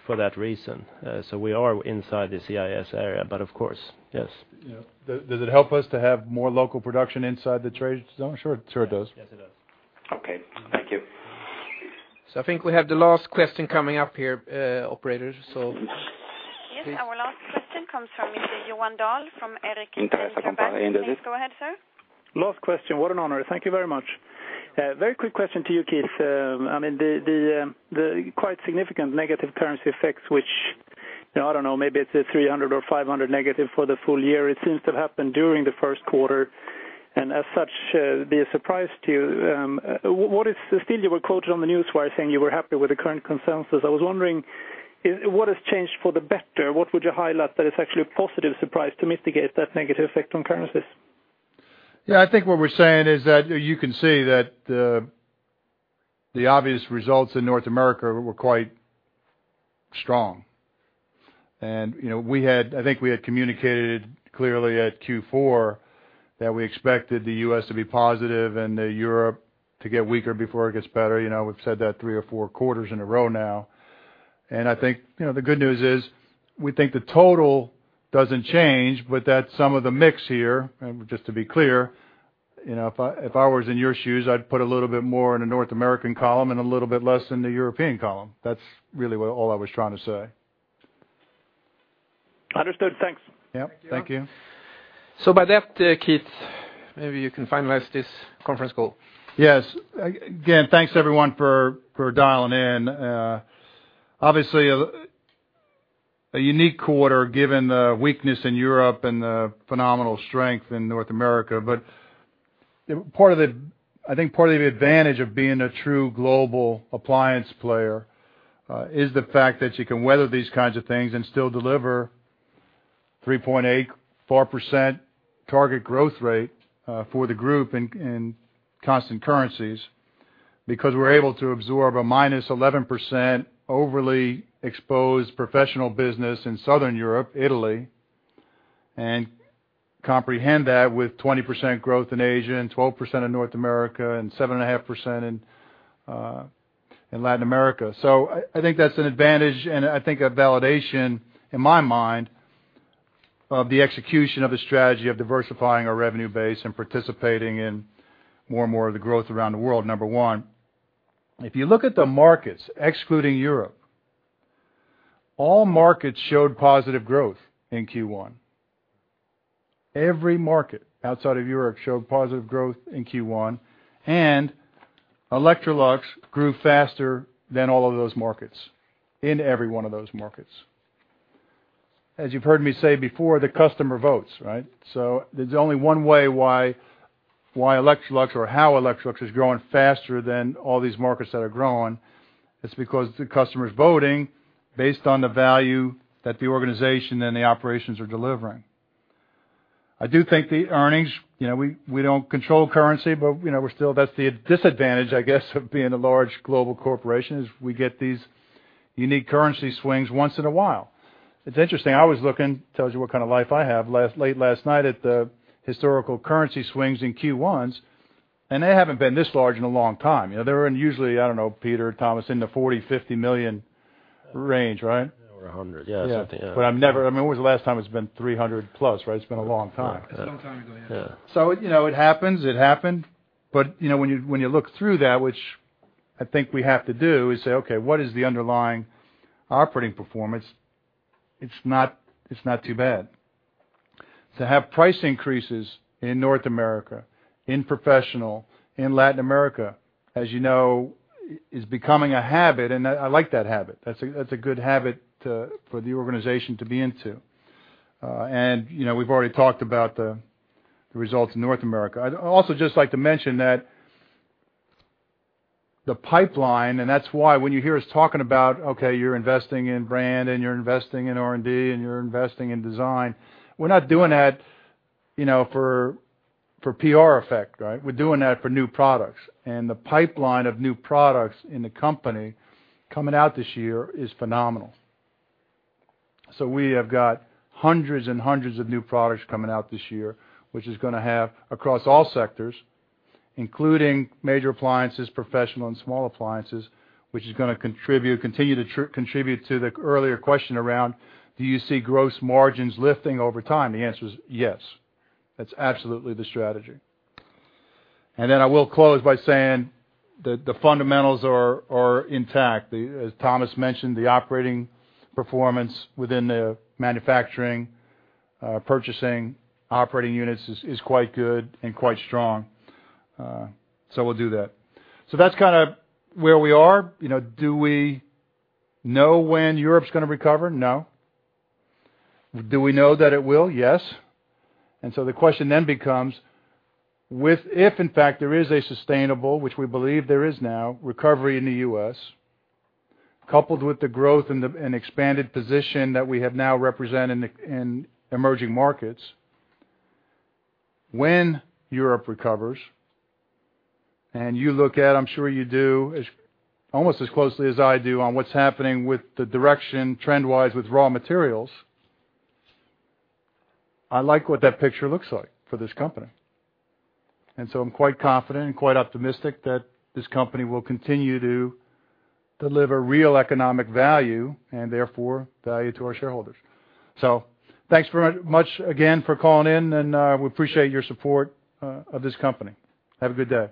for that reason, so we are inside the CIS area, but of course, yes. Yeah. Does it help us to have more local production inside the trade zone? Sure. Sure, it does. Yes, it does. Okay. Thank you. I think we have the last question coming up here, operator. Yes, our last question comes from Mr. Johan Dahl from Erik Penser Bank. Please go ahead, sir. Last question. What an honor. Thank you very much. Very quick question to you, Keith. I mean, the quite significant negative currency effects, which, I don't know, maybe it's a 300 or -500 for the full year. It seems to have happened during the first quarter and as such, be a surprise to you. What is still you were quoted on the newswire saying you were happy with the current consensus. I was wondering, what has changed for the better? What would you highlight that is actually a positive surprise to mitigate that negative effect on currencies? Yeah, I think what we're saying is that you can see that the obvious results in North America were quite strong. You know, I think we had communicated clearly at Q4 that we expected the U.S. to be positive and Europe to get weaker before it gets better. You know, we've said that three or four quarters in a row now, and I think, you know, the good news is, we think the total doesn't change, but that some of the mix here, just to be clear, you know, if I was in your shoes, I'd put a little bit more in the North American column and a little bit less in the European column. That's really what all I was trying to say. Understood. Thanks. Yep. Thank you. With that, Keith, maybe you can finalize this conference call. Yes. Again, thanks everyone for dialing in. Obviously, a unique quarter, given the weakness in Europe and the phenomenal strength in North America. I think part of the advantage of being a true global appliance player is the fact that you can weather these kinds of things and still deliver 3.84% target growth rate for the group in constant currencies, because we're able to absorb a -11% overly exposed professional business in Southern Europe, Italy, and comprehend that with 20% growth in Asia and 12% in North America, and 7.5% in Latin America. I think that's an advantage, and I think a validation, in my mind, of the execution of a strategy of diversifying our revenue base and participating in more and more of the growth around the world, number one. If you look at the markets, excluding Europe, all markets showed positive growth in Q1. Every market outside of Europe showed positive growth in Q1. Electrolux grew faster than all of those markets, in every one of those markets. As you've heard me say before, the customer votes, right? There's only one way why Electrolux, or how Electrolux is growing faster than all these markets that are growing. It's because the customer is voting based on the value that the organization and the operations are delivering. I do think the earnings, you know, we don't control currency, but, you know, we're still, that's the disadvantage, I guess, of being a large global corporation, is we get these unique currency swings once in a while. It's interesting. I was looking, tells you what kind of life I have, late last night at the historical currency swings in Q1, and they haven't been this large in a long time. You know, they were usually, I don't know, Peter, Tomas, in the 40 million-50 million range, right? Over 100 million. Yeah. I mean, when was the last time it's been 300 million+, right? It's been a long time. It's a long time ago, yeah. Yeah. You know, it happens. It happened. You know, when you look through that, which I think we have to do, is say, "Okay, what is the underlying operating performance?" It's not too bad. To have price increases in North America, in professional, in Latin America, as you know, is becoming a habit, and I like that habit. That's a good habit for the organization to be into. You know, we've already talked about the results in North America. I'd also just like to mention that the pipeline, and that's why when you hear us talking about, okay, you're investing in brand, and you're investing in R&D, and you're investing in design, we're not doing that, you know, for PR effect, right? We're doing that for new products. The pipeline of new products in the company coming out this year is phenomenal. We have got hundreds and hundreds of new products coming out this year, which is going to have across all sectors, including major appliances, professional and small appliances, which is going to contribute, continue to contribute to the earlier question around: Do you see gross margins lifting over time? The answer is yes. That's absolutely the strategy. Then I will close by saying that the fundamentals are intact. As Tomas mentioned, the operating performance within the manufacturing, purchasing, operating units is quite good and quite strong. We'll do that. That's kind of where we are. You know, do we know when Europe's going to recover? No. Do we know that it will? Yes. The question then becomes, if in fact, there is a sustainable, which we believe there is now, recovery in the U.S., coupled with the growth and the, and expanded position that we have now represented in the, in emerging markets, when Europe recovers and you look at, I'm sure you do, as almost as closely as I do on what's happening with the direction trend-wise with raw materials, I like what that picture looks like for this company. I'm quite confident and quite optimistic that this company will continue to deliver real economic value and therefore value to our shareholders. Thanks very much, again, for calling in, and we appreciate your support of this company. Have a good day.